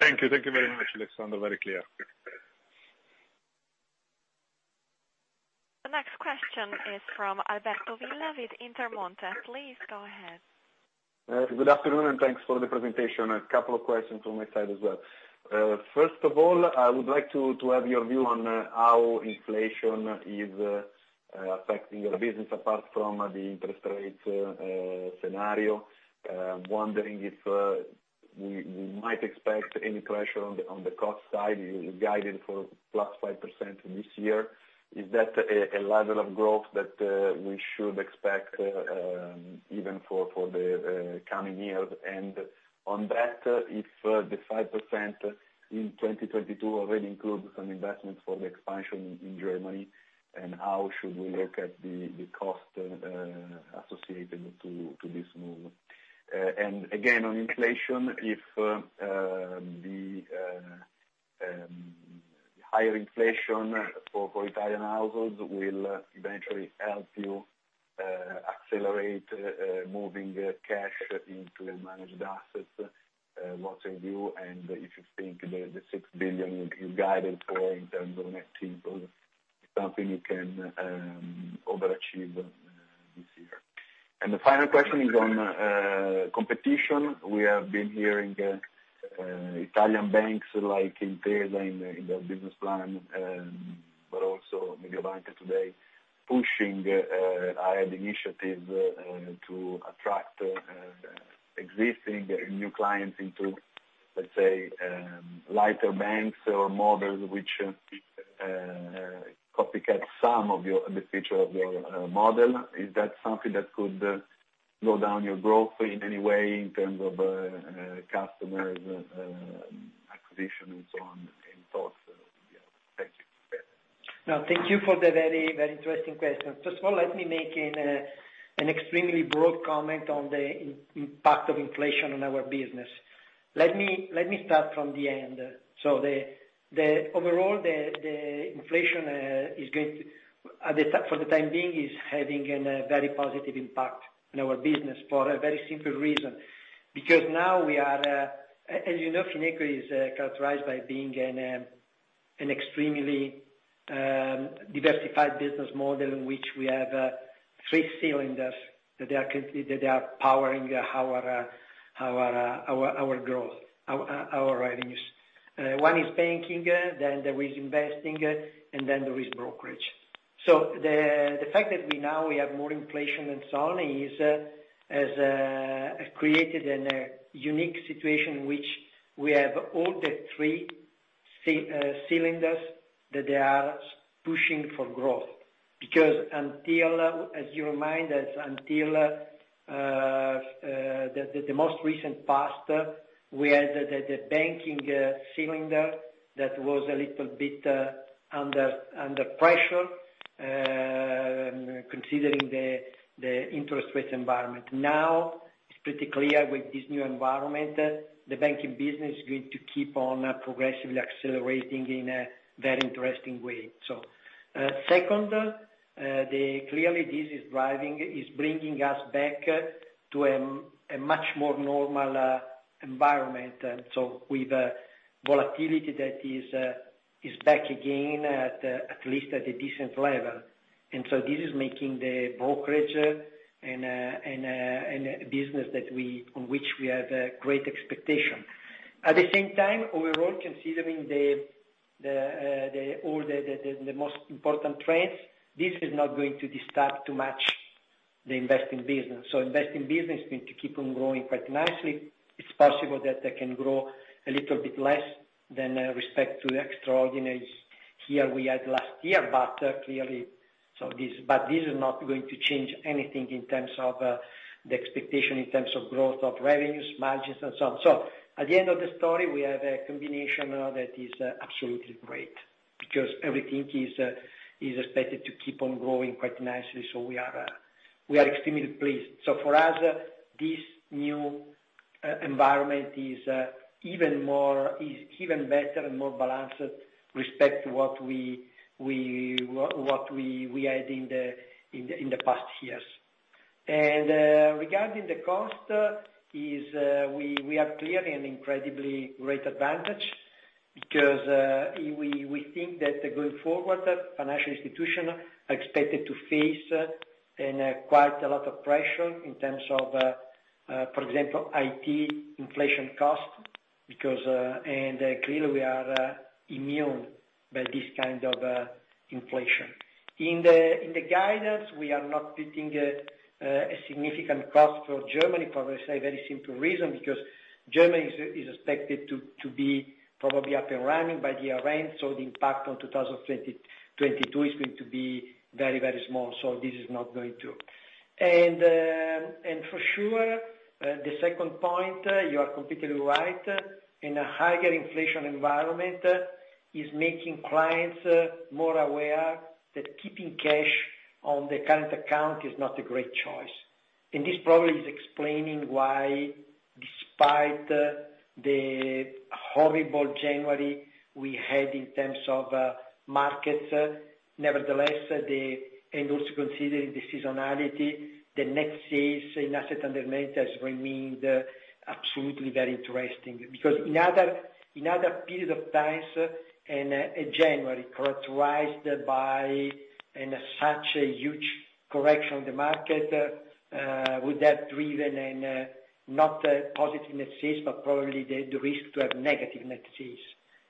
Thank you. Thank you very much, Alessandro. Very clear. The next question is from Alberto Villa with Intermonte. Please go ahead. Good afternoon, and thanks for the presentation. A couple of questions from my side as well. First of all, I would like to have your view on how inflation is affecting your business apart from the interest rates scenario. Wondering if we might expect any pressure on the cost side. You guided for plus 5% this year. Is that a level of growth that we should expect even for the coming years? On that, if the 5% in 2022 already includes some investments for the expansion in Germany, and how should we look at the cost associated to this move? Again, on inflation, if the higher inflation for Italian households will eventually help you accelerate moving cash into managed assets, what's in view, and if you think the 6 billion you guided for in terms of net inflows is something you can overachieve this year. The final question is on competition. We have been hearing Italian banks like Intesa in their business plan, but also Mediobanca today, pushing initiatives to attract existing and new clients into, let's say, lighter banks or models which copycat some of the features of your model. Is that something that could slow down your growth in any way in terms of customers acquisition and so on? Any thoughts? Yeah. Thank you. No, thank you for the very, very interesting questions. First of all, let me make an extremely broad comment on the impact of inflation on our business. Let me start from the end. The overall inflation for the time being is having a very positive impact on our business for a very simple reason. Because now we are, as you know, Fineco is characterized by being an extremely diversified business model in which we have three cylinders that are powering our growth, our revenues. One is banking, then there is investing, and then there is brokerage. The fact that we now have more inflation and so on has created a unique situation in which we have all the three cylinders that they are pushing for growth. Because until, as you remind us, until the most recent past, we had the banking cylinder that was a little bit under pressure considering the interest rate environment. Now, it's pretty clear with this new environment, the banking business is going to keep on progressively accelerating in a very interesting way. Second, clearly this is driving, is bringing us back to a much more normal environment. With volatility that is back again at least at a decent level. This is making the brokerage and business that we on which we have a great expectation. At the same time, overall, considering all the most important trends, this is not going to disturb too much the investing business. Investing business is going to keep on growing quite nicely. It's possible that they can grow a little bit less than with respect to the extraordinary year we had last year. Clearly, this is not going to change anything in terms of the expectation, in terms of growth of revenues, margins, and so on. At the end of the story, we have a combination that is absolutely great because everything is expected to keep on growing quite nicely, so we are extremely pleased. For us, this new environment is even better and more balanced respect to what we had in the past years. Regarding the costs, we are clearly at an incredibly great advantage because we think that going forward, financial institutions are expected to face and quite a lot of pressure in terms of, for example, IT inflation costs because and clearly we are immune to this kind of inflation. In the guidance, we are not putting a significant cost for Germany, I say, for a very simple reason, because Germany is expected to be probably up and running by the arrangement, so the impact on 2022 is going to be very small. For sure, the second point, you are completely right. In a higher inflation environment is making clients more aware that keeping cash on the current account is not a great choice. This probably is explaining why despite the horrible January we had in terms of markets, nevertheless also considering the seasonality, the net inflows in assets under management has remained absolutely very interesting. Because in other periods of time, in January characterized by such a huge correction on the market would have driven not a positive net sales, but probably the risk to have negative net sales.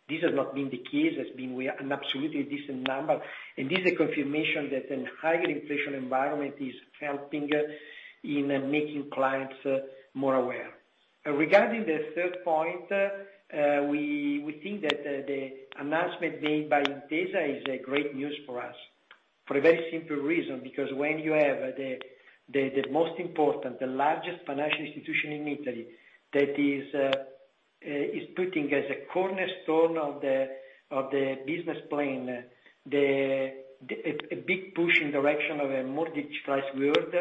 This has not been the case. It's been we An absolutely decent number, and this is a confirmation that in higher inflation environment is helping in making clients more aware. Regarding the third point, we think that the announcement made by Intesa is a great news for us, for a very simple reason, because when you have the most important, the largest financial institution in Italy that is putting as a cornerstone of the business plan, a big push in direction of a mortgage price world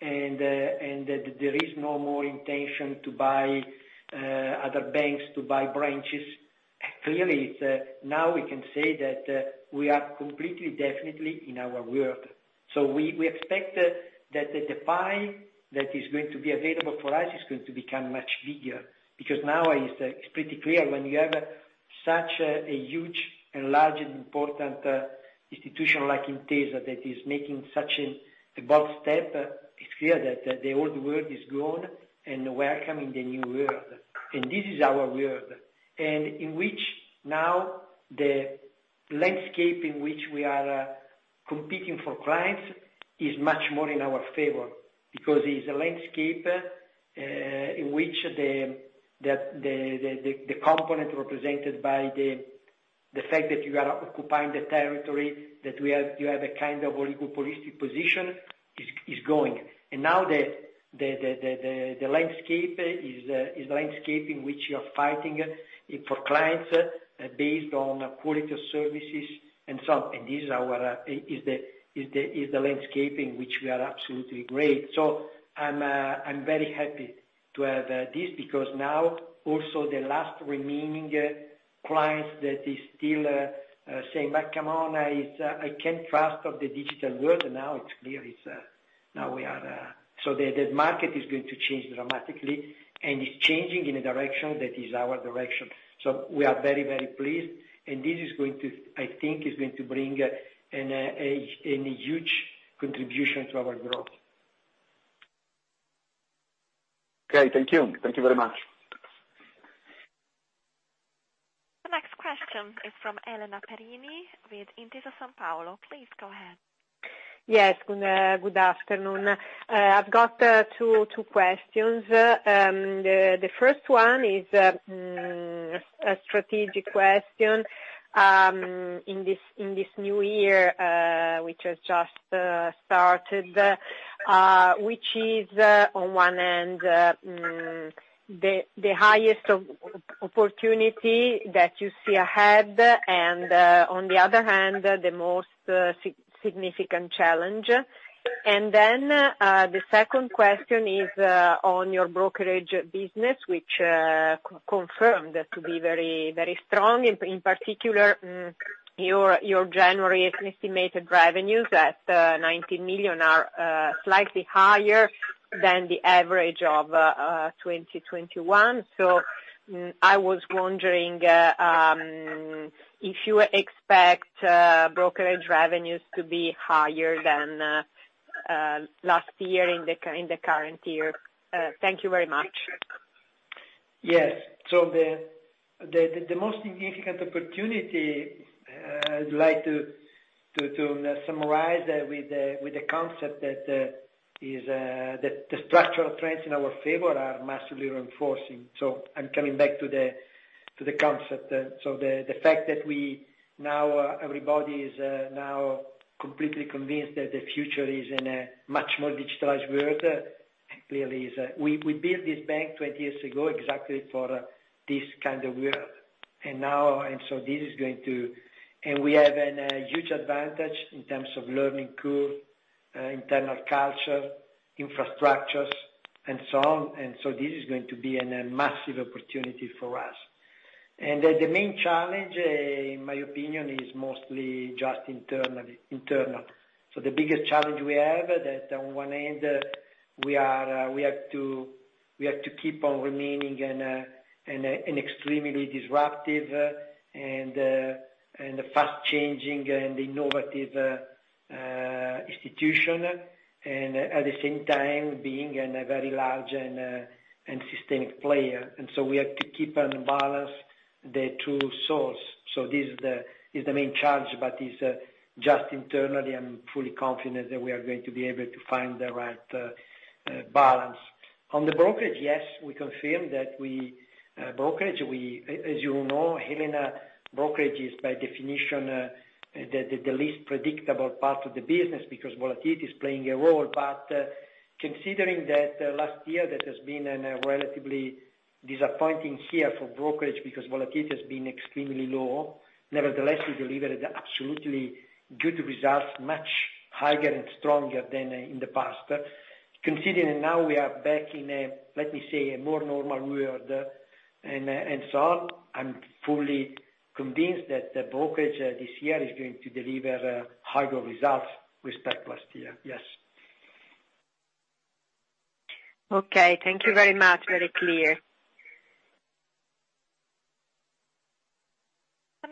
and that there is no more intention to buy other banks or to buy branches. Clearly, it's now we can say that we are completely, definitely in our world. We expect that the pie that is going to be available for us is going to become much bigger. Because now is, it's pretty clear when you have such a huge and large and important institution like Intesa that is making such a bold step, it's clear that the old world is gone and we are coming to the new world, and this is our world. In which now the landscape in which we are competing for clients is much more in our favor because it's a landscape in which the component represented by the fact that you are occupying the territory that we have, you have a kind of oligopolistic position is going. Now the landscape is the landscape in which you are fighting for clients based on quality of services and so on. This is the landscape in which we are absolutely great. I'm very happy to have this because now also the last remaining clients that is still saying, But come on, I can't trust of the digital world, now it's clear it's now we are. The market is going to change dramatically, and it's changing in a direction that is our direction. We are very pleased, and this is going to, I think it's going to bring an huge contribution to our growth. Okay. Thank you. Thank you very much. The next question is from Elena Perini with Intesa Sanpaolo. Please go ahead. Yes. Good afternoon. I've got two questions. The first one is a strategic question in this new year which has just started which is on one end the highest opportunity that you see ahead and on the other hand the most significant challenge. The second question is on your brokerage business which confirmed to be very strong. In particular, your January estimated revenues at 90 million are slightly higher than the average of 2021. I was wondering if you expect brokerage revenues to be higher than last year in the current year. Thank you very much. Yes. The most significant opportunity I'd like to summarize with the concept that the structural trends in our favor are massively reinforcing. I'm coming back to the concept. The fact that we now everybody is now completely convinced that the future is in a much more digitalized world, clearly, we built this bank 20 years ago exactly for this kind of world. Now this is going to. We have a huge advantage in terms of learning curve, internal culture, infrastructures, and so on. This is going to be a massive opportunity for us. The main challenge in my opinion is mostly just internal. The biggest challenge we have is that on one end, we have to keep on remaining an extremely disruptive and fast changing and innovative institution. At the same time being a very large and systemic player. We have to keep on balance the two source. This is the main challenge, but just internally, I'm fully confident that we are going to be able to find the right balance. On the brokerage, yes, we confirm that. As you know, Elena, brokerage is by definition the least predictable part of the business because volatility is playing a role. Considering that last year that has been a relatively disappointing year for brokerage because volatility has been extremely low, nevertheless, we delivered absolutely good results, much higher and stronger than in the past. Considering now we are back in a, let me say, a more normal world, and so on, I'm fully convinced that the brokerage this year is going to deliver higher results with respect to last year. Yes. Okay, thank you very much. Very clear.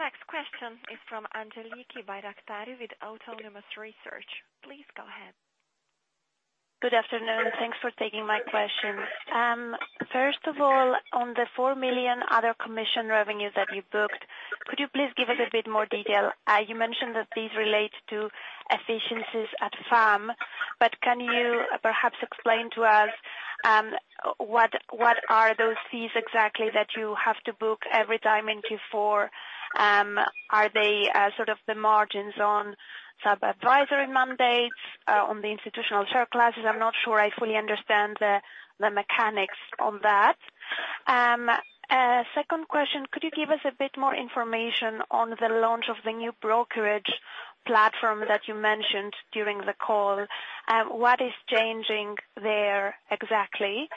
The next question is from Angeliki Bairaktari with Autonomous Research. Please go ahead. Good afternoon. Thanks for taking my questions. First of all, on the 4 million other commission revenues that you booked, could you please give us a bit more detail? You mentioned that these relate to efficiencies at FAM, but can you perhaps explain to us what are those fees exactly that you have to book every time in Q4? Are they sort of the margins on sub-advisory mandates on the institutional share classes? I'm not sure I fully understand the mechanics on that. Second question, could you give us a bit more information on the launch of the new brokerage platform that you mentioned during the call? What is changing there exactly?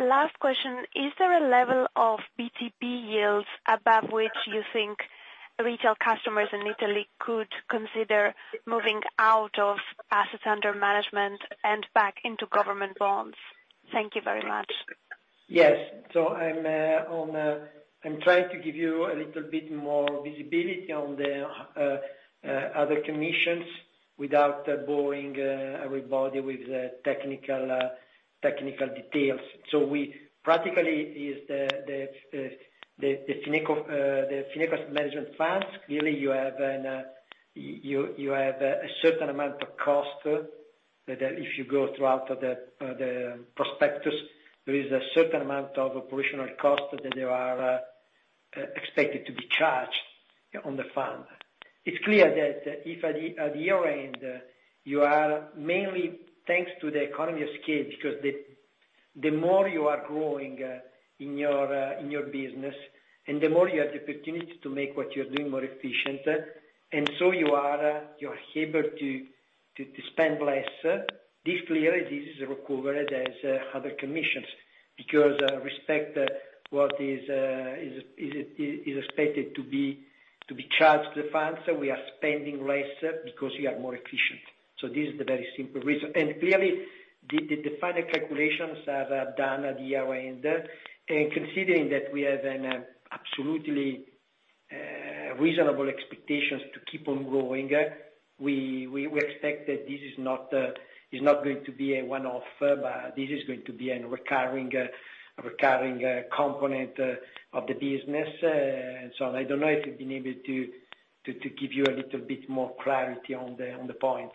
Last question, is there a level of BTP yields above which you think retail customers in Italy could consider moving out of assets under management and back into government bonds? Thank you very much. Yes. I'm trying to give you a little bit more visibility on the other commissions without boring everybody with the technical details. Practically, it's the Fineco management funds. Clearly, you have a certain amount of cost that if you go through the prospectus, there is a certain amount of operational costs that they are expected to be charged on the fund. It's clear that at the year-end, mainly thanks to the economies of scale, because the more you are growing in your business, and the more you have the opportunity to make what you're doing more efficient, and so you're able to spend less. This is recovered as other commissions because with respect to what is expected to be charged to the funds, we are spending less because we are more efficient. This is the very simple reason. Clearly the final calculations are done at the year-end. Considering that we have an absolutely reasonable expectations to keep on growing, we expect that this is not going to be a one-off, but this is going to be a recurring component of the business. I don't know if you've been able to give you a little bit more clarity on the point,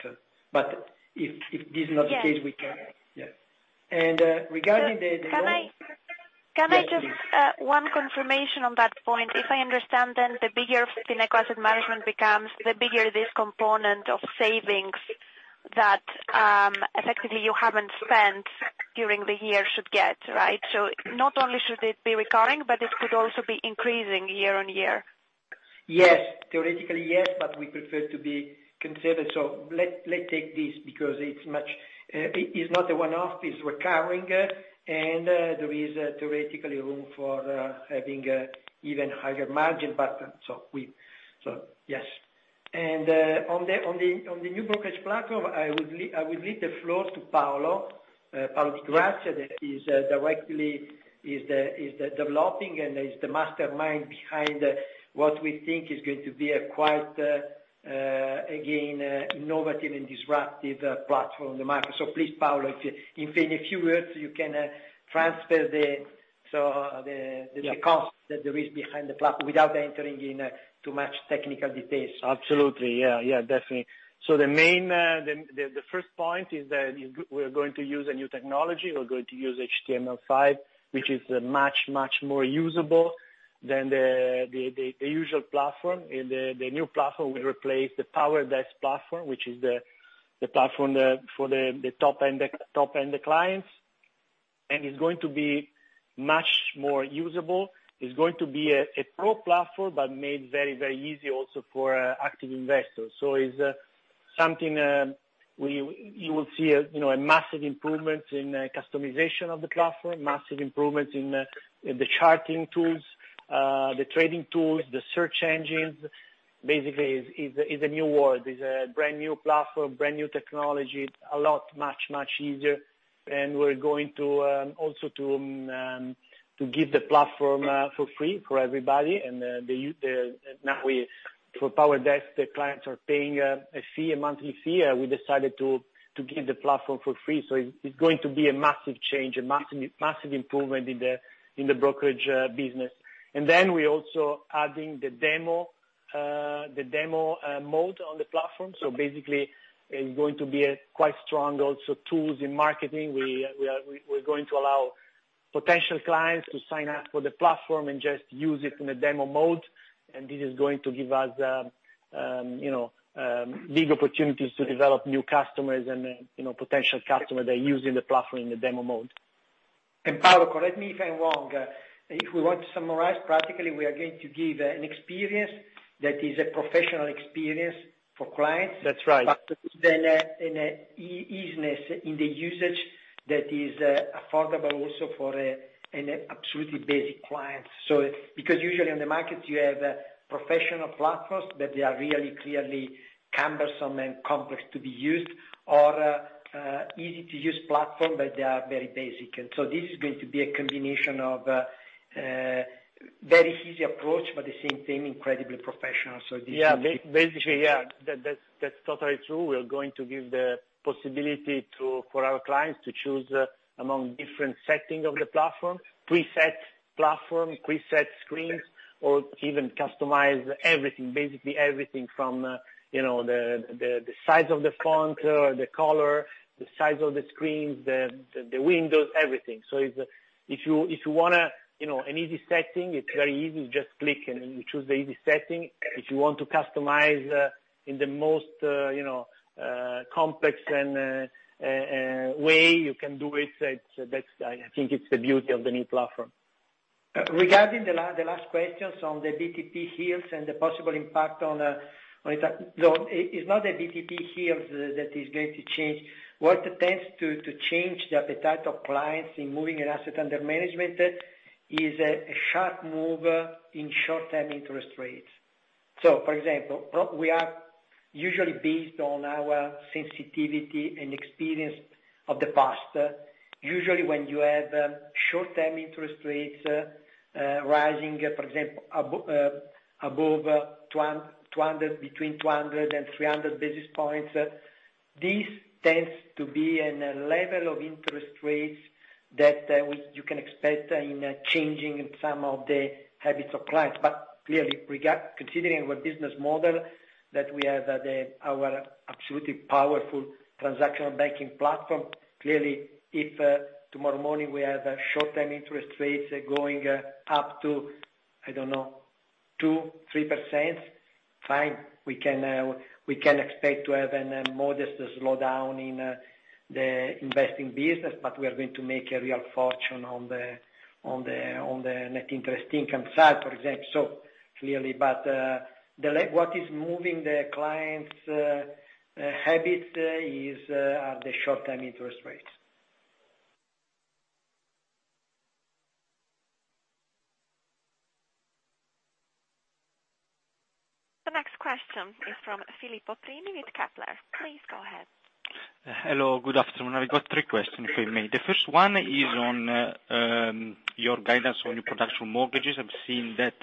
but if this is not the case, we can- Yes. Yeah. Regarding the Can I just one confirmation on that point. If I understand then, the bigger Fineco Asset Management becomes, the bigger this component of savings that effectively you haven't spent during the year should get, right? Not only should it be recurring, but it could also be increasing year-on-year. Yes. Theoretically, yes, but we prefer to be conservative. Let's take this because it's much, it's not a one-off, it's recurring, and there is theoretically room for having even higher margin, but yes. On the new brokerage platform, I would leave the floor to Paolo Di Grazia, that is directly the developing and the mastermind behind what we think is going to be a quite innovative and disruptive platform in the market. Please, Paolo, if in a few words you can transfer the concept that there is behind the platform without entering in too much technical details. Absolutely. Yeah, yeah. Definitely. The main first point is that we're going to use a new technology. We're going to use HTML5, which is much more usable than the usual platform. The new platform will replace the PowerDesk platform, which is the platform for the top-end clients. It's going to be much more usable. It's going to be a pro platform, but made very, very easy also for active investors. It's something you will see, you know, massive improvements in customization of the platform, massive improvements in the charting tools, the trading tools, the search engines. Basically it's a new world, it's a brand-new platform, brand-new technology. It's a lot much easier. We're going to give the platform for free for everybody. Now, for PowerDesk, the clients are paying a fee, a monthly fee. We decided to give the platform for free. It's going to be a massive change, a massive improvement in the brokerage business. We also adding the demo mode on the platform. Basically it's going to be a quite strong also tools in marketing. We're going to allow potential clients to sign-up for the platform and just use it in a demo mode. This is going to give us, you know, big opportunities to develop new customers and, you know, potential customer that using the platform in the demo mode. Paolo, correct me if I'm wrong. If we want to summarize, practically, we are going to give an experience that is a professional experience for clients. That's right. with an easiness in the usage that is affordable also for an absolutely basic client. Because usually on the market you have professional platforms, but they are really clearly cumbersome and complex to be used, or easy-to-use platform, but they are very basic. This is going to be a combination of very easy approach, but the same thing, incredibly professional. This is Yeah. Basically, yeah, that's totally true. We are going to give the possibility to, for our clients to choose among different setting of the platform, preset platform, preset screens, or even customize everything, basically everything from, you know, the size of the font, the color, the size of the screens, the windows, everything. So if you wanna, you know, an easy setting, it's very easy, just click and you choose the easy setting. If you want to customize in the most, you know, complex way, you can do it. That's, I think it's the beauty of the new platform. Regarding the last questions on the BTP yields and the possible impact on it, no, it's not the BTP yields that is going to change. What tends to change the appetite of clients in moving an asset under management is a sharp move in short-term interest rates. For example, we usually, based on our sensitivity and experience of the past. Usually, when you have short-term interest rates rising, for example, above 200, between 200 and 300 basis points, this tends to be in a level of interest rates that you can expect in changing some of the habits of clients. Clearly considering our business model that we have, our absolutely powerful transactional banking platform, clearly if tomorrow morning we have short-term interest rates going up to, I don't know, 2%, 3%, we can expect to have a modest slowdown in the investing business, but we are going to make a real fortune on the net interest income side, for example. Clearly. What is moving the clients' habits are the short-term interest rates. The next question is from Filippo Prini with Kepler Cheuvreux. Please go ahead. Hello. Good afternoon. I've got three questions, if I may. The first one is on your guidance on your production mortgages. I've seen that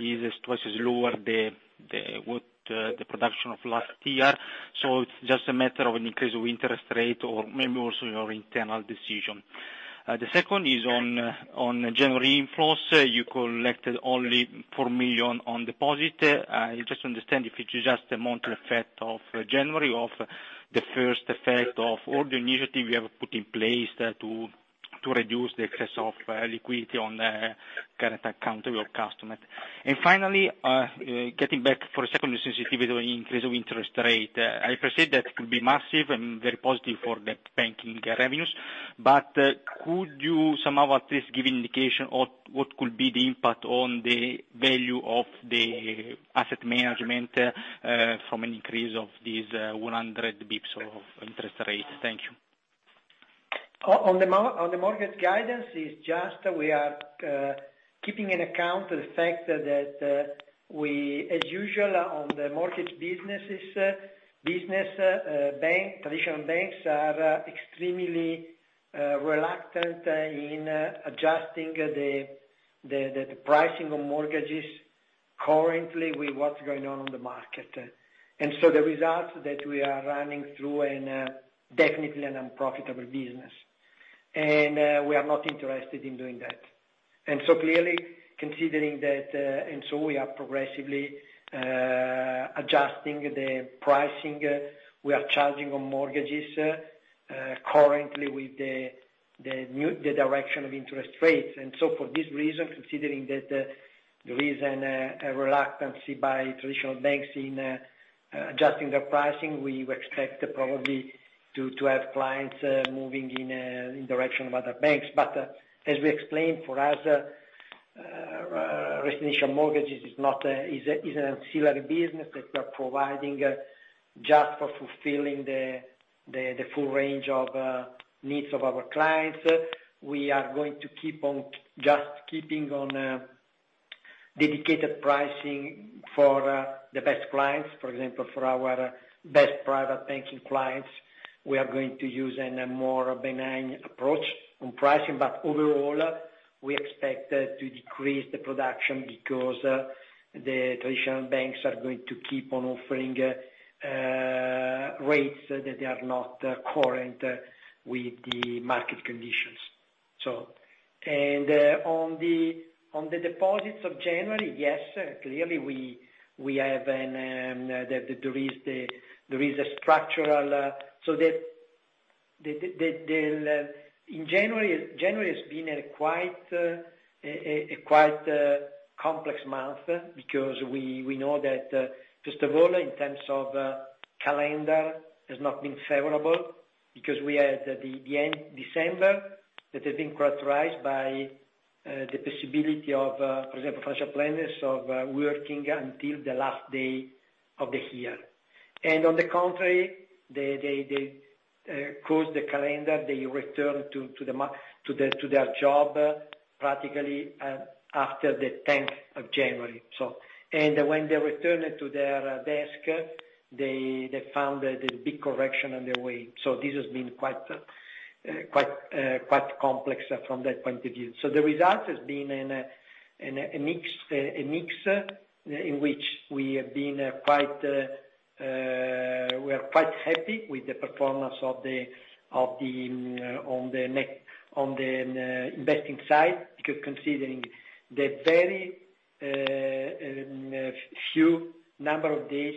is twice as lower the production of last year. So it's just a matter of an increase of interest rate or maybe also your internal decision? The second is on January inflows. You collected only 4 million on deposit. I just understand if it's just a monthly effect of January, of the first effect of all the initiative you have put in place to reduce the excess of liquidity on the current account of your customer? Finally, getting back for a second sensitivity increase of interest rate. I appreciate that could be massive and very positive for the banking revenues, but could you somehow at least give indication of what could be the impact on the value of the asset management from an increase of these 100 basis points of interest rates? Thank you. On the mortgage guidance, it's just that we are taking into account the fact that we as usual in the mortgage business traditional banks are extremely reluctant in adjusting the pricing of mortgages currently with what's going on on the market. The results that we are running through are definitely an unprofitable business. We are not interested in doing that. Clearly considering that, we are progressively adjusting the pricing we are charging on mortgages currently with the new direction of interest rates. For this reason, considering that there is a reluctance by traditional banks in adjusting their pricing, we expect probably to have clients moving in a direction of other banks. As we explained, for us, residential mortgages is not an ancillary business that we are providing just for fulfilling the full range of needs of our clients. We are going to keep on just keeping on dedicated pricing for the best clients. For example, for our best private banking clients, we are going to use a more benign approach on pricing. Overall, we expect to decrease the production because the traditional banks are going to keep on offering rates that they are not current with the market conditions. On the deposits of January, yes, clearly there is a structural. January has been a quite complex month, because we know that first of all, in terms of calendar has not been favorable because we had the end December that has been characterized by the possibility of, for example, financial planners working until the last day of the year. On the contrary, they closed the calendar, they returned to their job practically after the January 10th. When they returned to their desk, they found the big correction on their way. This has been quite complex from that point of view. The result has been a mix in which we are quite happy with the performance on the investing side, because considering the very few number of days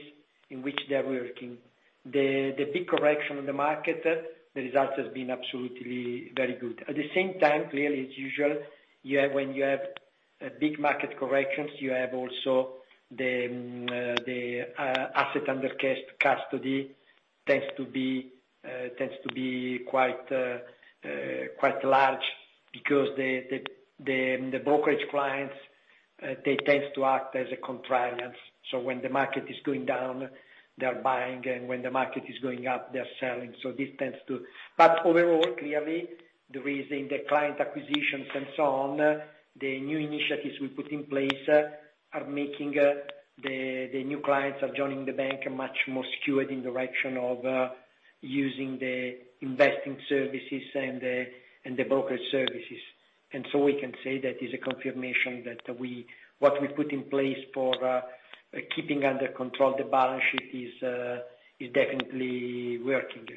in which they are working. The big correction on the market, the results has been absolutely very good. At the same time, clearly as usual, you have when you have big market corrections, you have also the assets under custody tends to be quite large because the brokerage clients they tends to act as contrarians. When the market is going down, they're buying, and when the market is going up, they're selling. Overall, clearly the reason the client acquisitions and so on, the new initiatives we put in place are making the new clients joining the bank much more skewed in the direction of using the investing services and the brokerage services. We can say that is a confirmation that what we put in place for keeping under control the balance sheet is definitely working.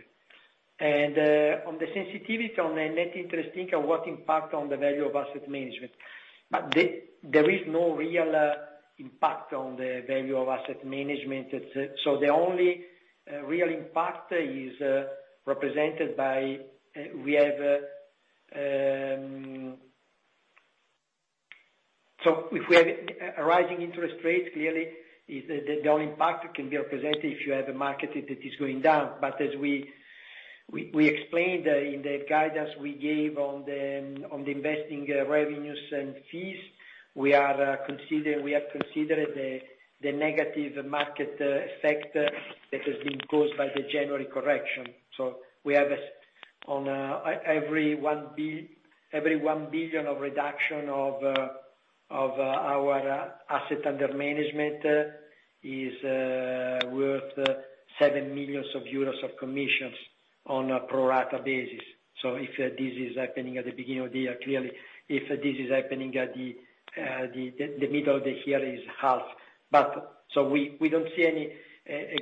On the sensitivity on the net interest income, what impact on the value of asset management. There is no real impact on the value of asset management. It's so the only real impact is represented by we have. If we have a rising interest rate, clearly the only impact can be represented if you have a market that is going down. As we explained in the guidance we gave on the investing revenues and fees, we have considered the negative market effect that has been caused by the January correction. We have this on every 1 billion of reduction of our assets under management is worth 7 million euros of commissions on a pro rata basis. If this is happening at the beginning of the year, clearly if this is happening at the middle of the year is half. We don't see any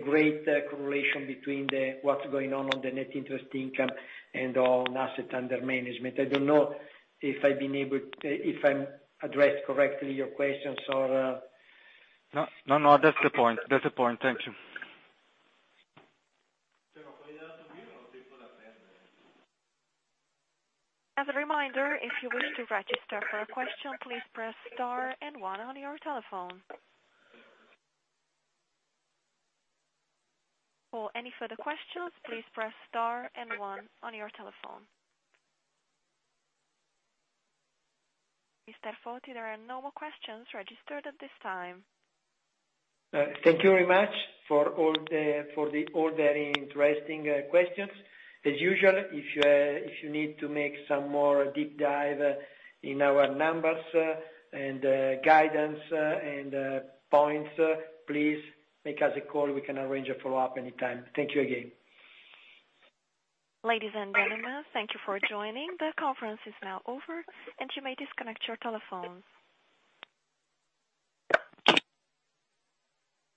great correlation between what's going on with the net interest income and with assets under management. I don't know if I've been able to address your questions correctly or. No, no, that's the point. That's the point. Thank you. As a reminder, if you wish to register for a question, please press star and one on your telephone. For any further questions, please press star and one on your telephone. Mr. Foti, there are no more questions registered at this time. Thank you very much for all the very interesting questions. As usual, if you need to make a deeper dive in our numbers and guidance and points, please make us a call, we can arrange a follow-up anytime. Thank you again. Ladies and gentlemen, thank you for joining. The conference is now over and you may disconnect your telephones.